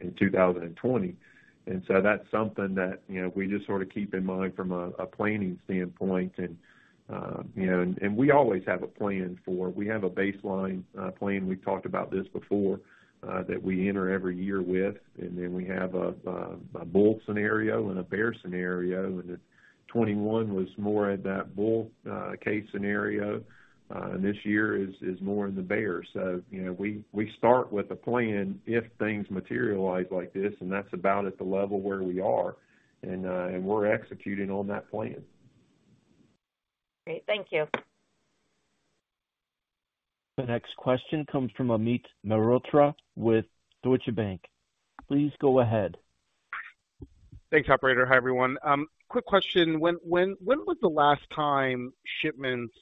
in 2020. That's something that, you know, we just sorta keep in mind from a planning standpoint. You know, and we always have a plan for... We have a baseline plan, we've talked about this before, that we enter every year with, and then we have a bull scenario and a bear scenario. The 2021 was more at that bull case scenario. This year is more in the bear. You know, we start with a plan if things materialize like this, and that's about at the level where we are. We're executing on that plan. Great. Thank you. The next question comes from Amit Mehrotra with Deutsche Bank. Please go ahead. Thanks, operator. Hi, everyone. Quick question. When was the last time shipments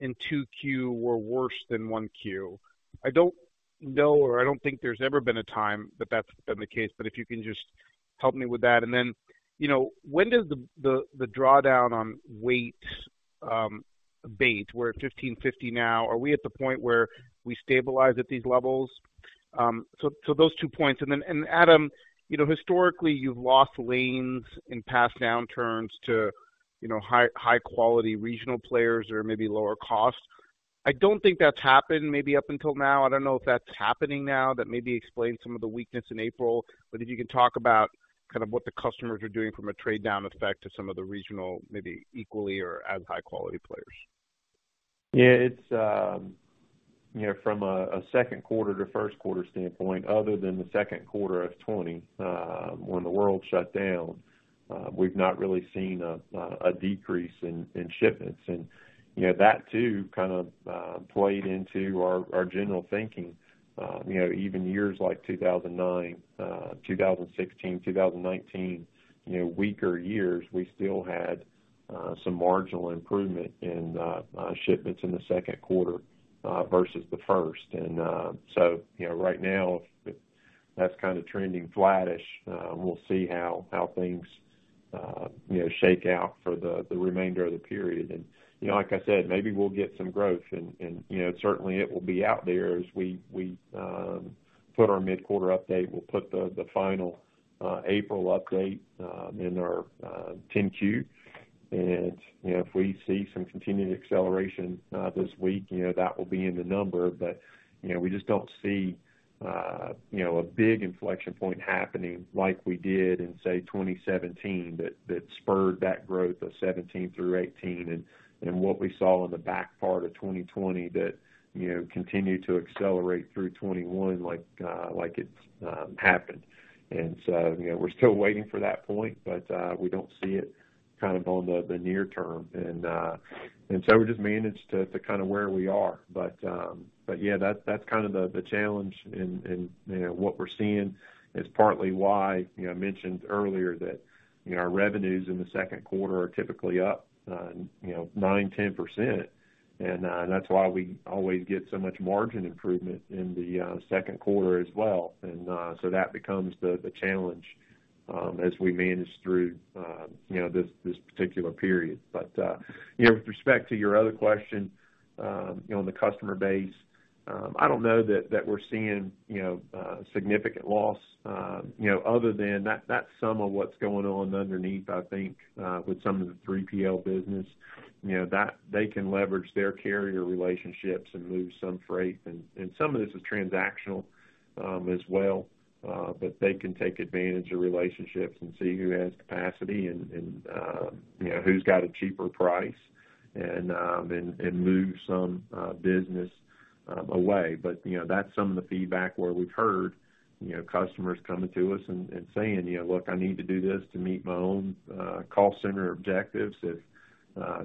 in 2Q were worse than 1Q? I don't know or I don't think there's ever been a time that that's been the case, but if you can just help me with that. You know, when does the drawdown on weight abate? We're at 1,550 now. Are we at the point where we stabilize at these levels? So those two points. Adam, you know, historically, you've lost lanes in past downturns to, you know, high quality regional players or maybe lower cost. I don't think that's happened maybe up until now. I don't know if that's happening now. That maybe explains some of the weakness in April. If you can talk about kind of what the customers are doing from a trade down effect to some of the regional maybe equally or as high quality players. Yeah, it's, you know, from a second quarter to first quarter standpoint, other than the second quarter of 2020, when the world shut down, we've not really seen a decrease in shipments. You know, that too kind of played into our general thinking. You know, even years like 2009, 2016, 2019, you know, weaker years, we still had some marginal improvement in shipments in the second quarter versus the first. So, you know, right now if that's kinda trending flattish, we'll see how things, you know, shake out for the remainder of the period. You know, like I said, maybe we'll get some growth and, you know, certainly it will be out there as we, put our mid-quarter update. We'll put the final April update in our 10Q. You know, if we see some continued acceleration this week, you know, that will be in the number. But, you know, we just don't see, you know, a big inflection point happening like we did in, say, 2017 that spurred that growth of 2017 through 2018 and what we saw in the back part of 2020 that, you know, continued to accelerate through 2021, like it happened. You know, we're still waiting for that point, but, we don't see it kind of on the near term. We just managed to kinda where we are. Yeah, that's kind of the challenge and, you know, what we're seeing is partly why, you know, I mentioned earlier that, you know, our revenues in the second quarter are typically up, you know, 9%-10%. That's why we always get so much margin improvement in the second quarter as well. That becomes the challenge as we manage through, you know, this particular period. You know, with respect to your other question, you know, on the customer base, I don't know that we're seeing, you know, significant loss, you know, other than that's some of what's going on underneath, I think, with some of the 3PL business. You know, that they can leverage their carrier relationships and move some freight and some of this is transactional, as well. They can take advantage of relationships and see who has capacity and, you know, who's got a cheaper price. Move some business away. You know, that's some of the feedback where we've heard, you know, customers coming to us and saying, you know, "Look, I need to do this to meet my own, cost center objectives." If,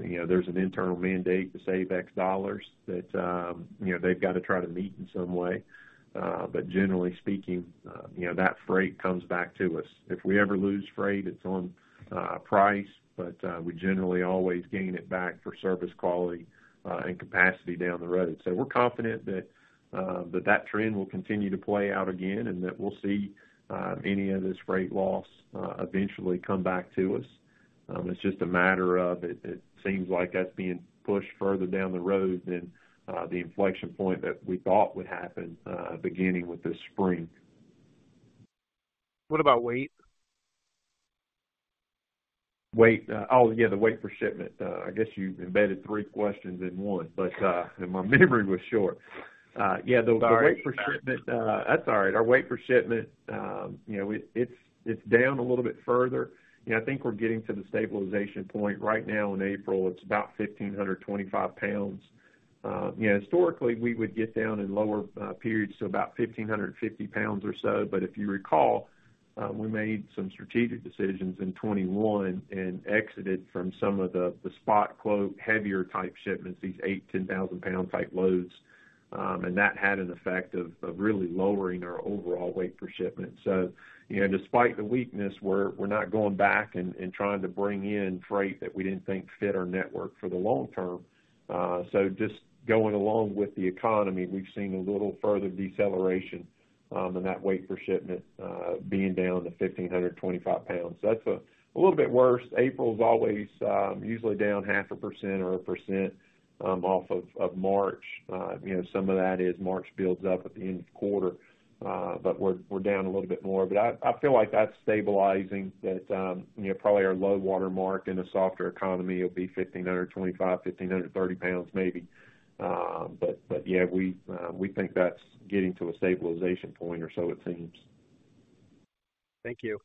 you know, there's an internal mandate to save X dollars that, you know, they've got to try to meet in some way. Generally speaking, you know, that freight comes back to us. If we ever lose freight, it's on price, but we generally always gain it back for service quality, and capacity down the road. We're confident that that trend will continue to play out again, and that we'll see any of this freight loss, eventually come back to us. It's just a matter of it seems like that's being pushed further down the road than the inflection point that we thought would happen, beginning with this spring. What about weight? Weight? Oh, yeah, the weight per shipment. I guess you embedded three questions in one, but, and my memory was short. Sorry. That's all right. Our weight per shipment, you know, it's down a little bit further. You know, I think we're getting to the stabilization point. Right now in April, it's about 1,525 lbs. You know, historically, we would get down in lower periods to about 1,550 lbs or so, but if you recall, we made some strategic decisions in 2021 and exited from some of the spot quote, heavier type shipments, these 8,000, 10,000 lbs type loads. That had an effect of really lowering our overall weight per shipment. You know, despite the weakness, we're not going back and trying to bring in freight that we didn't think fit our network for the long term. Just going along with the economy, we've seen a little further deceleration in that weight per shipment, being down to 1,525 lbs. That's a little bit worse. April is always usually down 0.5% or 1% off of March. You know, some of that is March builds up at the end of quarter, we're down a little bit more. I feel like that's stabilizing that, you know, probably our low water mark in a softer economy will be 1,525, 1,530 lbs maybe. Yeah, we think that's getting to a stabilization point or so it seems. Thank you.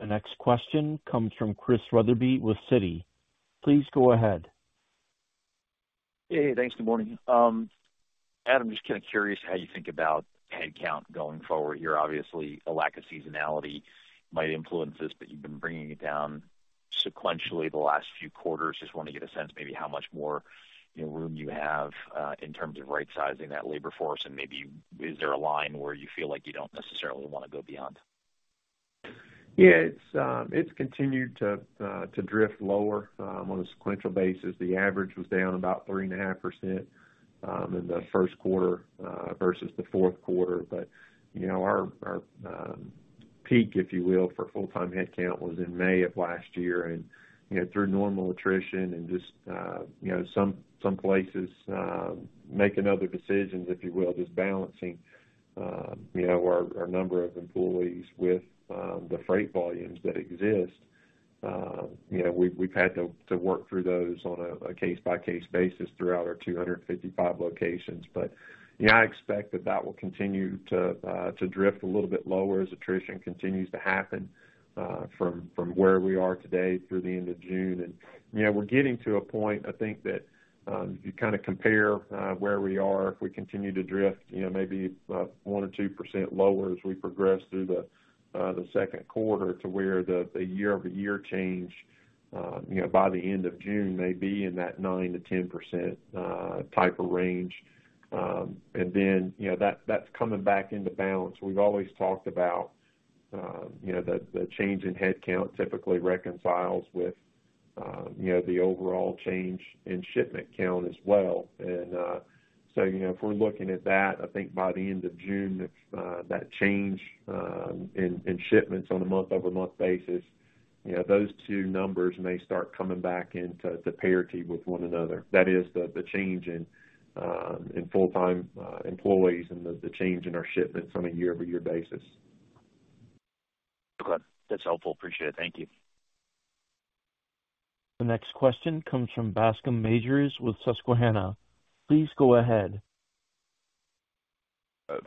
The next question comes from Chris Wetherbee with Citi. Please go ahead. Hey. Thanks. Good morning. Adam, just kinda curious how you think about headcount going forward here. Obviously, a lack of seasonality might influence this, but you've been bringing it down sequentially the last few quarters. Just wanna get a sense maybe how much more, you know, room you have in terms of rightsizing that labor force and maybe is there a line where you feel like you don't necessarily wanna go beyond? Yeah, it's continued to drift lower, on a sequential basis. The average was down about 3.5% in the first quarter versus the fourth quarter. You know, our peak, if you will, for full-time headcount was in May of last year. You know, through normal attrition and just, you know, some places, making other decisions, if you will, just balancing, you know, our number of employees with the freight volumes that exist, you know, we've had to work through those on a case-by-case basis throughout our 255 locations. Yeah, I expect that that will continue to drift a little bit lower as attrition continues to happen from where we are today through the end of June. You know, we're getting to a point, I think, that, if you kinda compare, where we are, if we continue to drift, you know, maybe, 1% or 2% lower as we progress through the second quarter to where the year-over-year change, you know, by the end of June may be in that 9%-10% type of range. Then, you know, that's coming back into balance. We've always talked about, you know, the change in headcount typically reconciles with, you know, the overall change in shipment count as well. So, you know, if we're looking at that, I think by the end of June, if, that change, in shipments on a month-over-month basis, you know, those two numbers may start coming back into to parity with one another. That is the change in full-time employees and the change in our shipments on a year-over-year basis. Okay. That's helpful. Appreciate it. Thank you. The next question comes from Bascome Majors with Susquehanna. Please go ahead.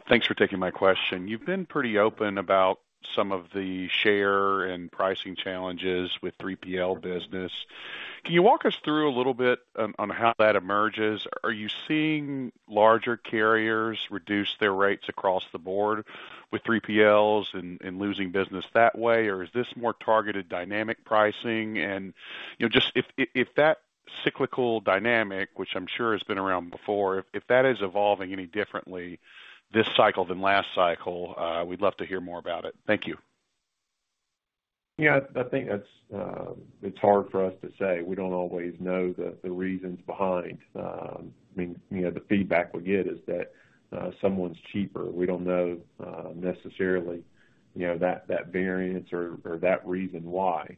Thanks for taking my question. You've been pretty open about some of the share and pricing challenges with 3PL business. Can you walk us through a little bit on how that emerges? Are you seeing larger carriers reduce their rates across the board with 3PLs and losing business that way or is this more targeted dynamic pricing? You know, just if that cyclical dynamic, which I'm sure has been around before, if that is evolving any differently this cycle than last cycle, we'd love to hear more about it. Thank you. Yeah. I think it's hard for us to say. We don't always know the reasons behind. I mean, you know, the feedback we get is that someone's cheaper. We don't know, necessarily, you know, that variance or that reason why.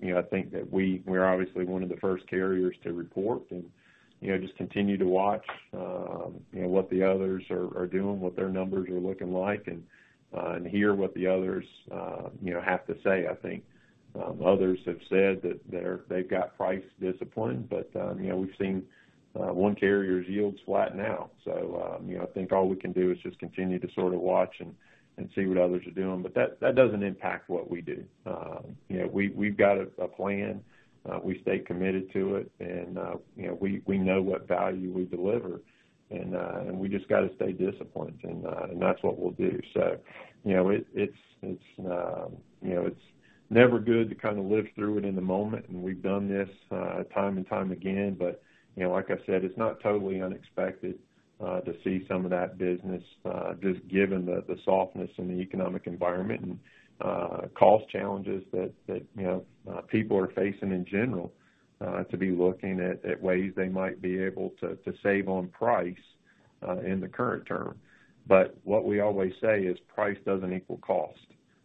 You know, I think that we're obviously one of the first carriers to report and, you know, just continue to watch, you know, what the others are doing, what their numbers are looking like, and hear what the others, you know, have to say. I think others have said that they've got price discipline, but, you know, we've seen one carrier's yields flatten out. You know, I think all we can do is just continue to sort of watch and see what others are doing. That doesn't impact what we do. You know, we've got a plan. We stay committed to it and, you know, we know what value we deliver and we just gotta stay disciplined and that's what we'll do. You know, it's, you know, it's never good to kinda live through it in the moment, and we've done this, time and time again. You know, like I said, it's not totally unexpected, to see some of that business, just given the softness in the economic environment and, cost challenges that, you know, people are facing in general, to be looking at ways they might be able to save on price. In the current term. What we always say is price doesn't equal cost.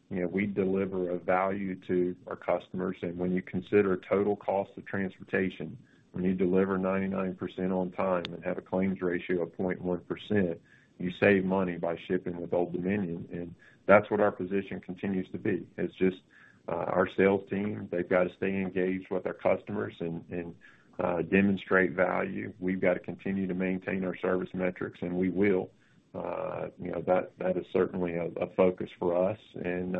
We deliver a value to our customers, and when you consider total cost of transportation, when you deliver 99% on time and have a claims ratio of 0.1%, you save money by shipping with Old Dominion. That's what our position continues to be. It's just our sales team, they've got to stay engaged with our customers and demonstrate value. We've got to continue to maintain our service metrics, and we will. That is certainly a focus for us, and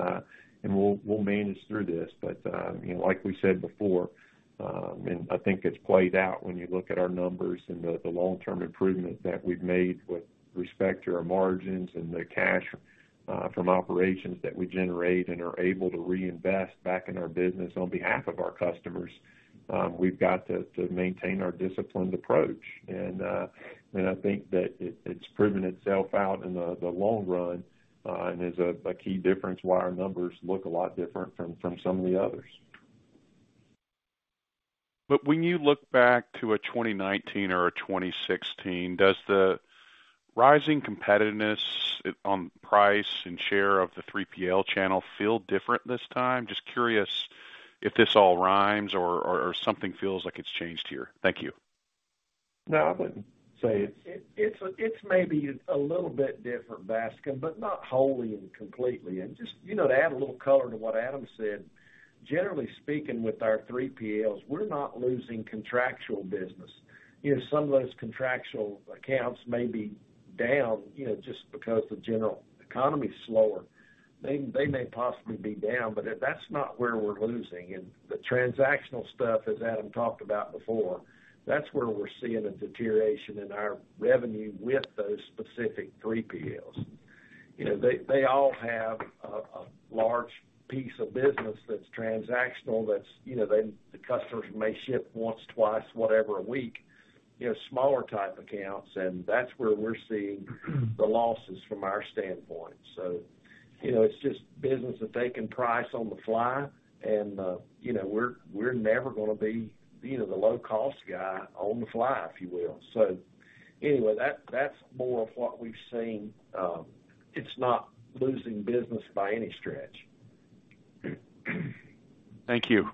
we'll manage through this. Like we said before, and I think it's played out when you look at our numbers and the long-term improvement that we've made with respect to our margins and the cash from operations that we generate and are able to reinvest back in our business on behalf of our customers, we've got to maintain our disciplined approach. I think that it's proven itself out in the long run and is a key difference why our numbers look a lot different from some of the others. When you look back to a 2019 or a 2016, does the rising competitiveness on price and share of the 3PL channel feel different this time? Just curious if this all rhymes or something feels like it's changed here. Thank you. No, I wouldn't say it. It's maybe a little bit different, Bascome, but not wholly and completely. Just to add a little color to what Adam said, generally speaking, with our 3PLs, we're not losing contractual business. Some of those contractual accounts may be down just because the general economy is slower. They may possibly be down, but that's not where we're losing. The transactional stuff, as Adam talked about before, that's where we're seeing a deterioration in our revenue with those specific 3PLs. They all have a large piece of business that's transactional, that the customers may ship once, twice, whatever a week, smaller type accounts, and that's where we're seeing the losses from our standpoint. It's just business of taking price on the fly, and we're never going to be the low cost guy on the fly, if you will. Anyway, that's more of what we've seen. It's not losing business by any stretch. Thank you.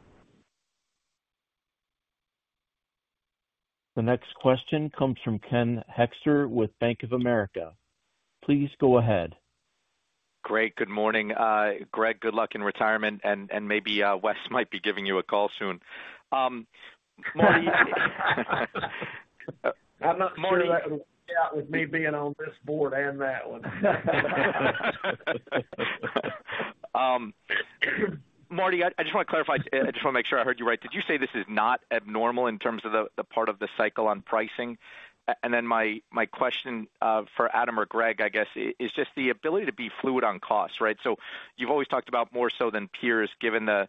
The next question comes from Ken Hoexter with Bank of America. Please go ahead. Great. Good morning. Greg, good luck in retirement. Maybe Wes might be giving you a call soon. I'm not sure that would work out with me being on this board and that one. Marty, I just want to clarify. I just want to make sure I heard you right. Did you say this is not abnormal in terms of the part of the cycle on pricing? My question for Adam or Greg, I guess, is just the ability to be fluid on costs, right? You've always talked about more so than peers, given the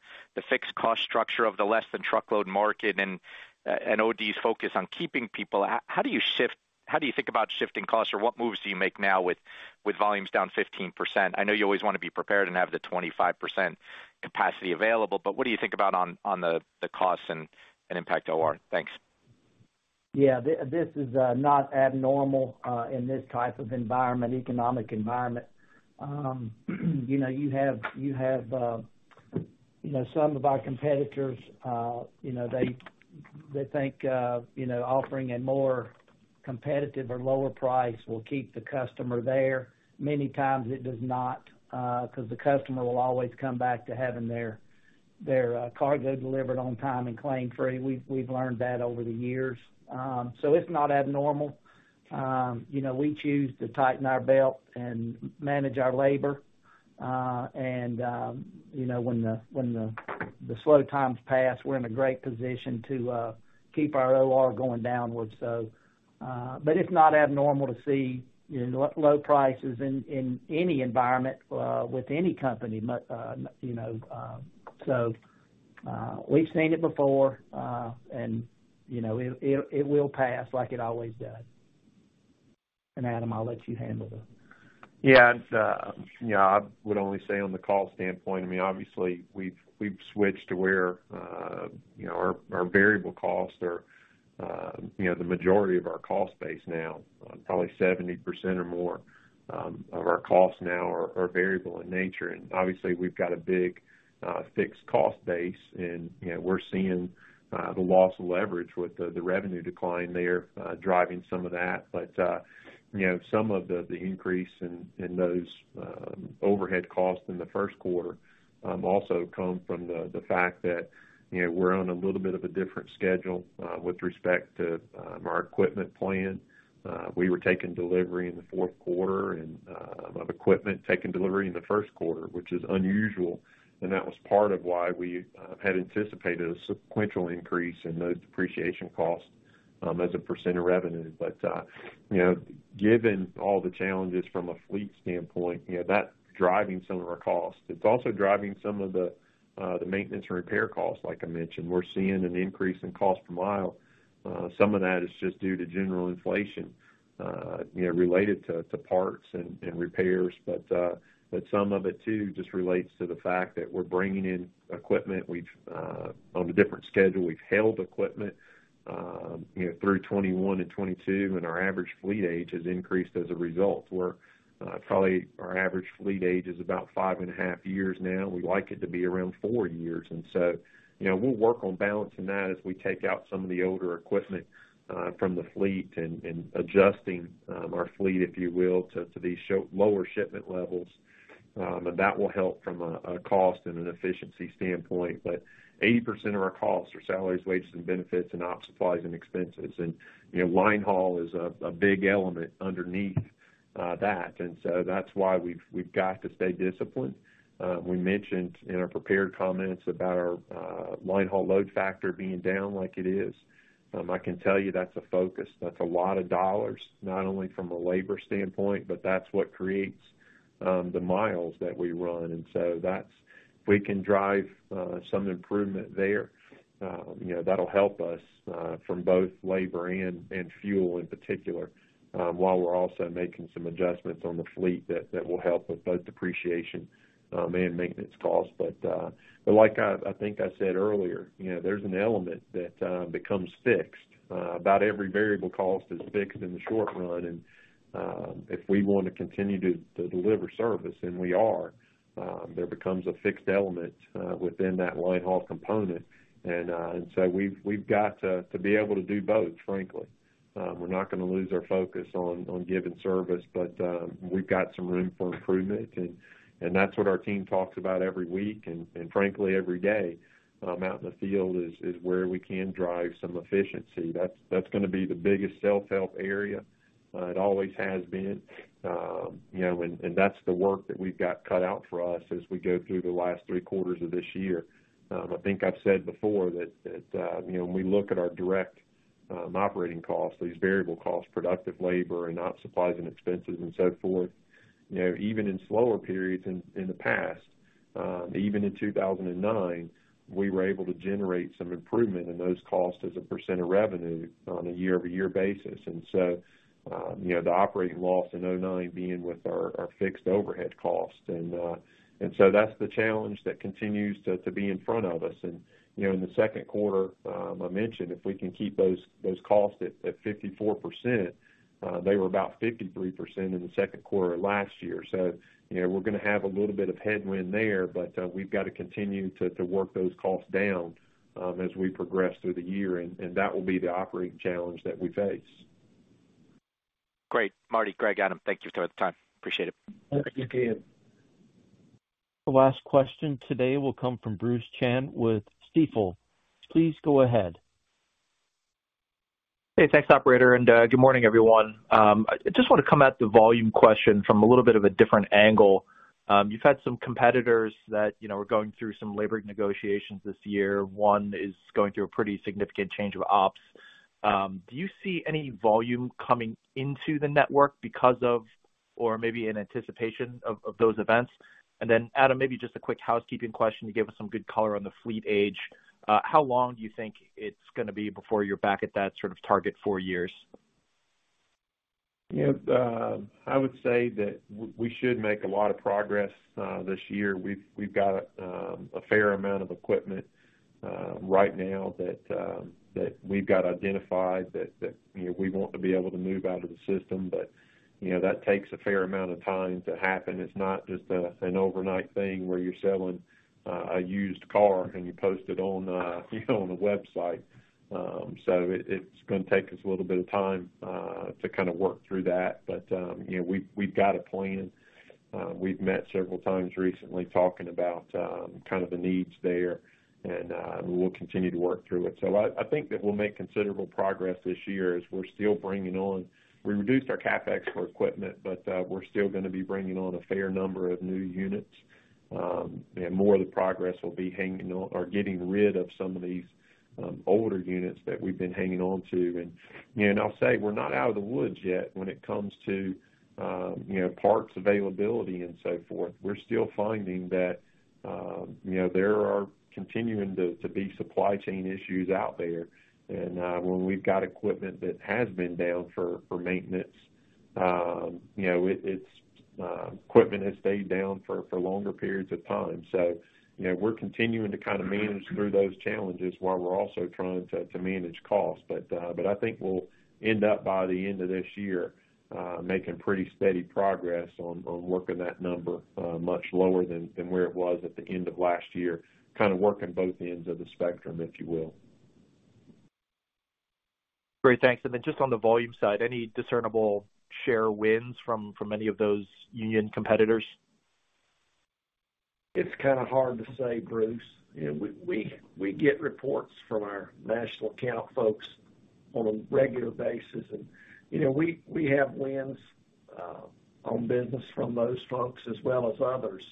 fixed cost structure of the less than truckload market and OD's focus on keeping people. How do you think about shifting costs or what moves do you make now with volumes down 15%? I know you always want to be prepared and have the 25% capacity available, what do you think about on the costs and impact OR? Thanks. Yeah, this is not abnormal in this type of environment, economic environment. You have some of our competitors, they think offering a more competitive or lower price will keep the customer there. Many times it does not because the customer will always come back to having their cargo delivered on time and claim-free. We've learned that over the years. It's not abnormal. We choose to tighten our belt and manage our labor. When the slow times pass, we're in a great position to keep our OR going downwards. It's not abnormal to see low prices in any environment with any company. We've seen it before, and it will pass like it always does. Adam, I'll let you handle the... Yeah, I would only say on the call standpoint, I mean, obviously, we've switched to where our variable costs are the majority of our cost base now. Probably 70% or more of our costs now are variable in nature. Obviously, we've got a big fixed cost base, and we're seeing the loss of leverage with the revenue decline there driving some of that. Some of the increase in those overhead costs in the first quarter also come from the fact that we're on a little bit of a different schedule with respect to our equipment plan. We were taking delivery in the fourth quarter of equipment, taking delivery in the first quarter, which is unusual. That was part of why we had anticipated a sequential increase in those depreciation costs as a percent of revenue. You know, given all the challenges from a fleet standpoint, you know, that's driving some of our costs. It's also driving some of the maintenance and repair costs, like I mentioned. We're seeing an increase in cost per mile. Some of that is just due to general inflation, you know, related to parts and repairs. Some of it too just relates to the fact that we're bringing in equipment we've on a different schedule. We've held equipment, you know, through 2021 and 2022, and our average fleet age has increased as a result. We're probably our average fleet age is about 5.5 years now. We like it to be around four years. You know, we'll work on balancing that as we take out some of the older equipment from the fleet and adjusting our fleet, if you will, to these lower shipment levels. That will help from a cost and an efficiency standpoint. 80% of our costs are salaries, wages, and benefits and op supplies and expenses and, you know, linehaul is a big element underneath that. That's why we've got to stay disciplined. We mentioned in our prepared comments about our linehaul load factor being down like it is. I can tell you that's a focus. That's a lot of dollars, not only from a labor standpoint, but that's what creates the miles that we run. If we can drive some improvement there, you know, that'll help us from both labor and fuel in particular, while we're also making some adjustments on the fleet that will help with both depreciation and maintenance costs. Like I think I said earlier, you know, there's an element that becomes fixed. About every variable cost is fixed in the short run. If we want to continue to deliver service, and we are, there becomes a fixed element within that linehaul component. So we've got to be able to do both, frankly. We're not gonna lose our focus on giving service, but we've got some room for improvement. That's what our team talks about every week and, frankly, every day, out in the field is where we can drive some efficiency. That's gonna be the biggest self-help area. It always has been. You know, and that's the work that we've got cut out for us as we go through the last three quarters of this year. I think I've said before that you know, when we look at our direct operating costs, these variable costs, productive labor and op supplies and expenses and so forth, you know, even in slower periods in the past, even in 2009, we were able to generate some improvement in those costs as a percent of revenue on a year-over-year basis. You know, the operating loss in 2009 being with our fixed overhead costs. that's the challenge that continues to be in front of us. you know, in the second quarter, I mentioned if we can keep those costs at 54%, they were about 53% in the second quarter of last year. you know, we're gonna have a little bit of headwind there, but we've got to continue to work those costs down as we progress through the year, and that will be the operating challenge that we face. Great. Marty, Greg, Adam, thank you for the time. Appreciate it. Thank you. The last question today will come from Bruce Chan with Stifel. Please go ahead. Hey, thanks, operator. Good morning, everyone. I just want to come at the volume question from a little bit of a different angle. You've had some competitors that, you know, are going through some labor negotiations this year. One is going through a pretty significant change of ops. Do you see any volume coming into the network because of or maybe in anticipation of those events? Then Adam, maybe just a quick housekeeping question to give us some good color on the fleet age. How long do you think it's gonna be before you're back at that sort of target four years? I would say that we should make a lot of progress this year. We've got a fair amount of equipment right now that we've got identified that, you know, we want to be able to move out of the system. You know, that takes a fair amount of time to happen. It's not just an overnight thing where you're selling a used car and you post it on, you know, on the website. So it's gonna take us a little bit of time to kinda work through that. You know, we've got a plan. We've met several times recently talking about kind of the needs there and we'll continue to work through it. I think that we'll make considerable progress this year as we're still bringing on. We reduced our CapEx for equipment, but we're still gonna be bringing on a fair number of new units. More of the progress will be hanging on or getting rid of some of these older units that we've been hanging on to. You know, I'll say we're not out of the woods yet when it comes to, you know, parts availability and so forth. We're still finding that, you know, there are continuing to be supply chain issues out there. When we've got equipment that has been down for maintenance, you know, equipment has stayed down for longer periods of time. You know, we're continuing to kind of manage through those challenges while we're also trying to manage costs. I think we'll end up by the end of this year, making pretty steady progress on working that number much lower than where it was at the end of last year, kind of working both ends of the spectrum, if you will. Great. Thanks. Then just on the volume side, any discernible share wins from any of those union competitors? It's kind of hard to say, Bruce. You know, we get reports from our national account folks on a regular basis. You know, we have wins on business from those folks as well as others.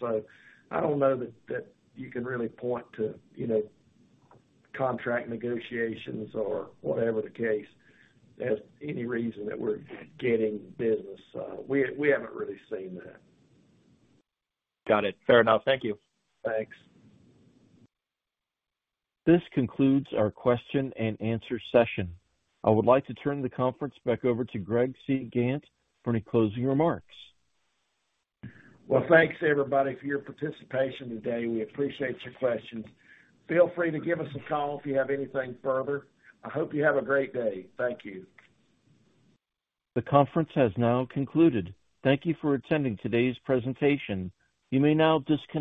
I don't know that you can really point to, you know, contract negotiations or whatever the case as any reason that we're getting business. We haven't really seen that. Got it. Fair enough. Thank you. Thanks. This concludes our question-and-answer session. I would like to turn the conference back over to Greg C. Gantt for any closing remarks. Well, thanks everybody for your participation today. We appreciate your questions. Feel free to give us a call if you have anything further. I hope you have a great day. Thank you. The conference has now concluded. Thank you for attending today's presentation. You may now disconnect.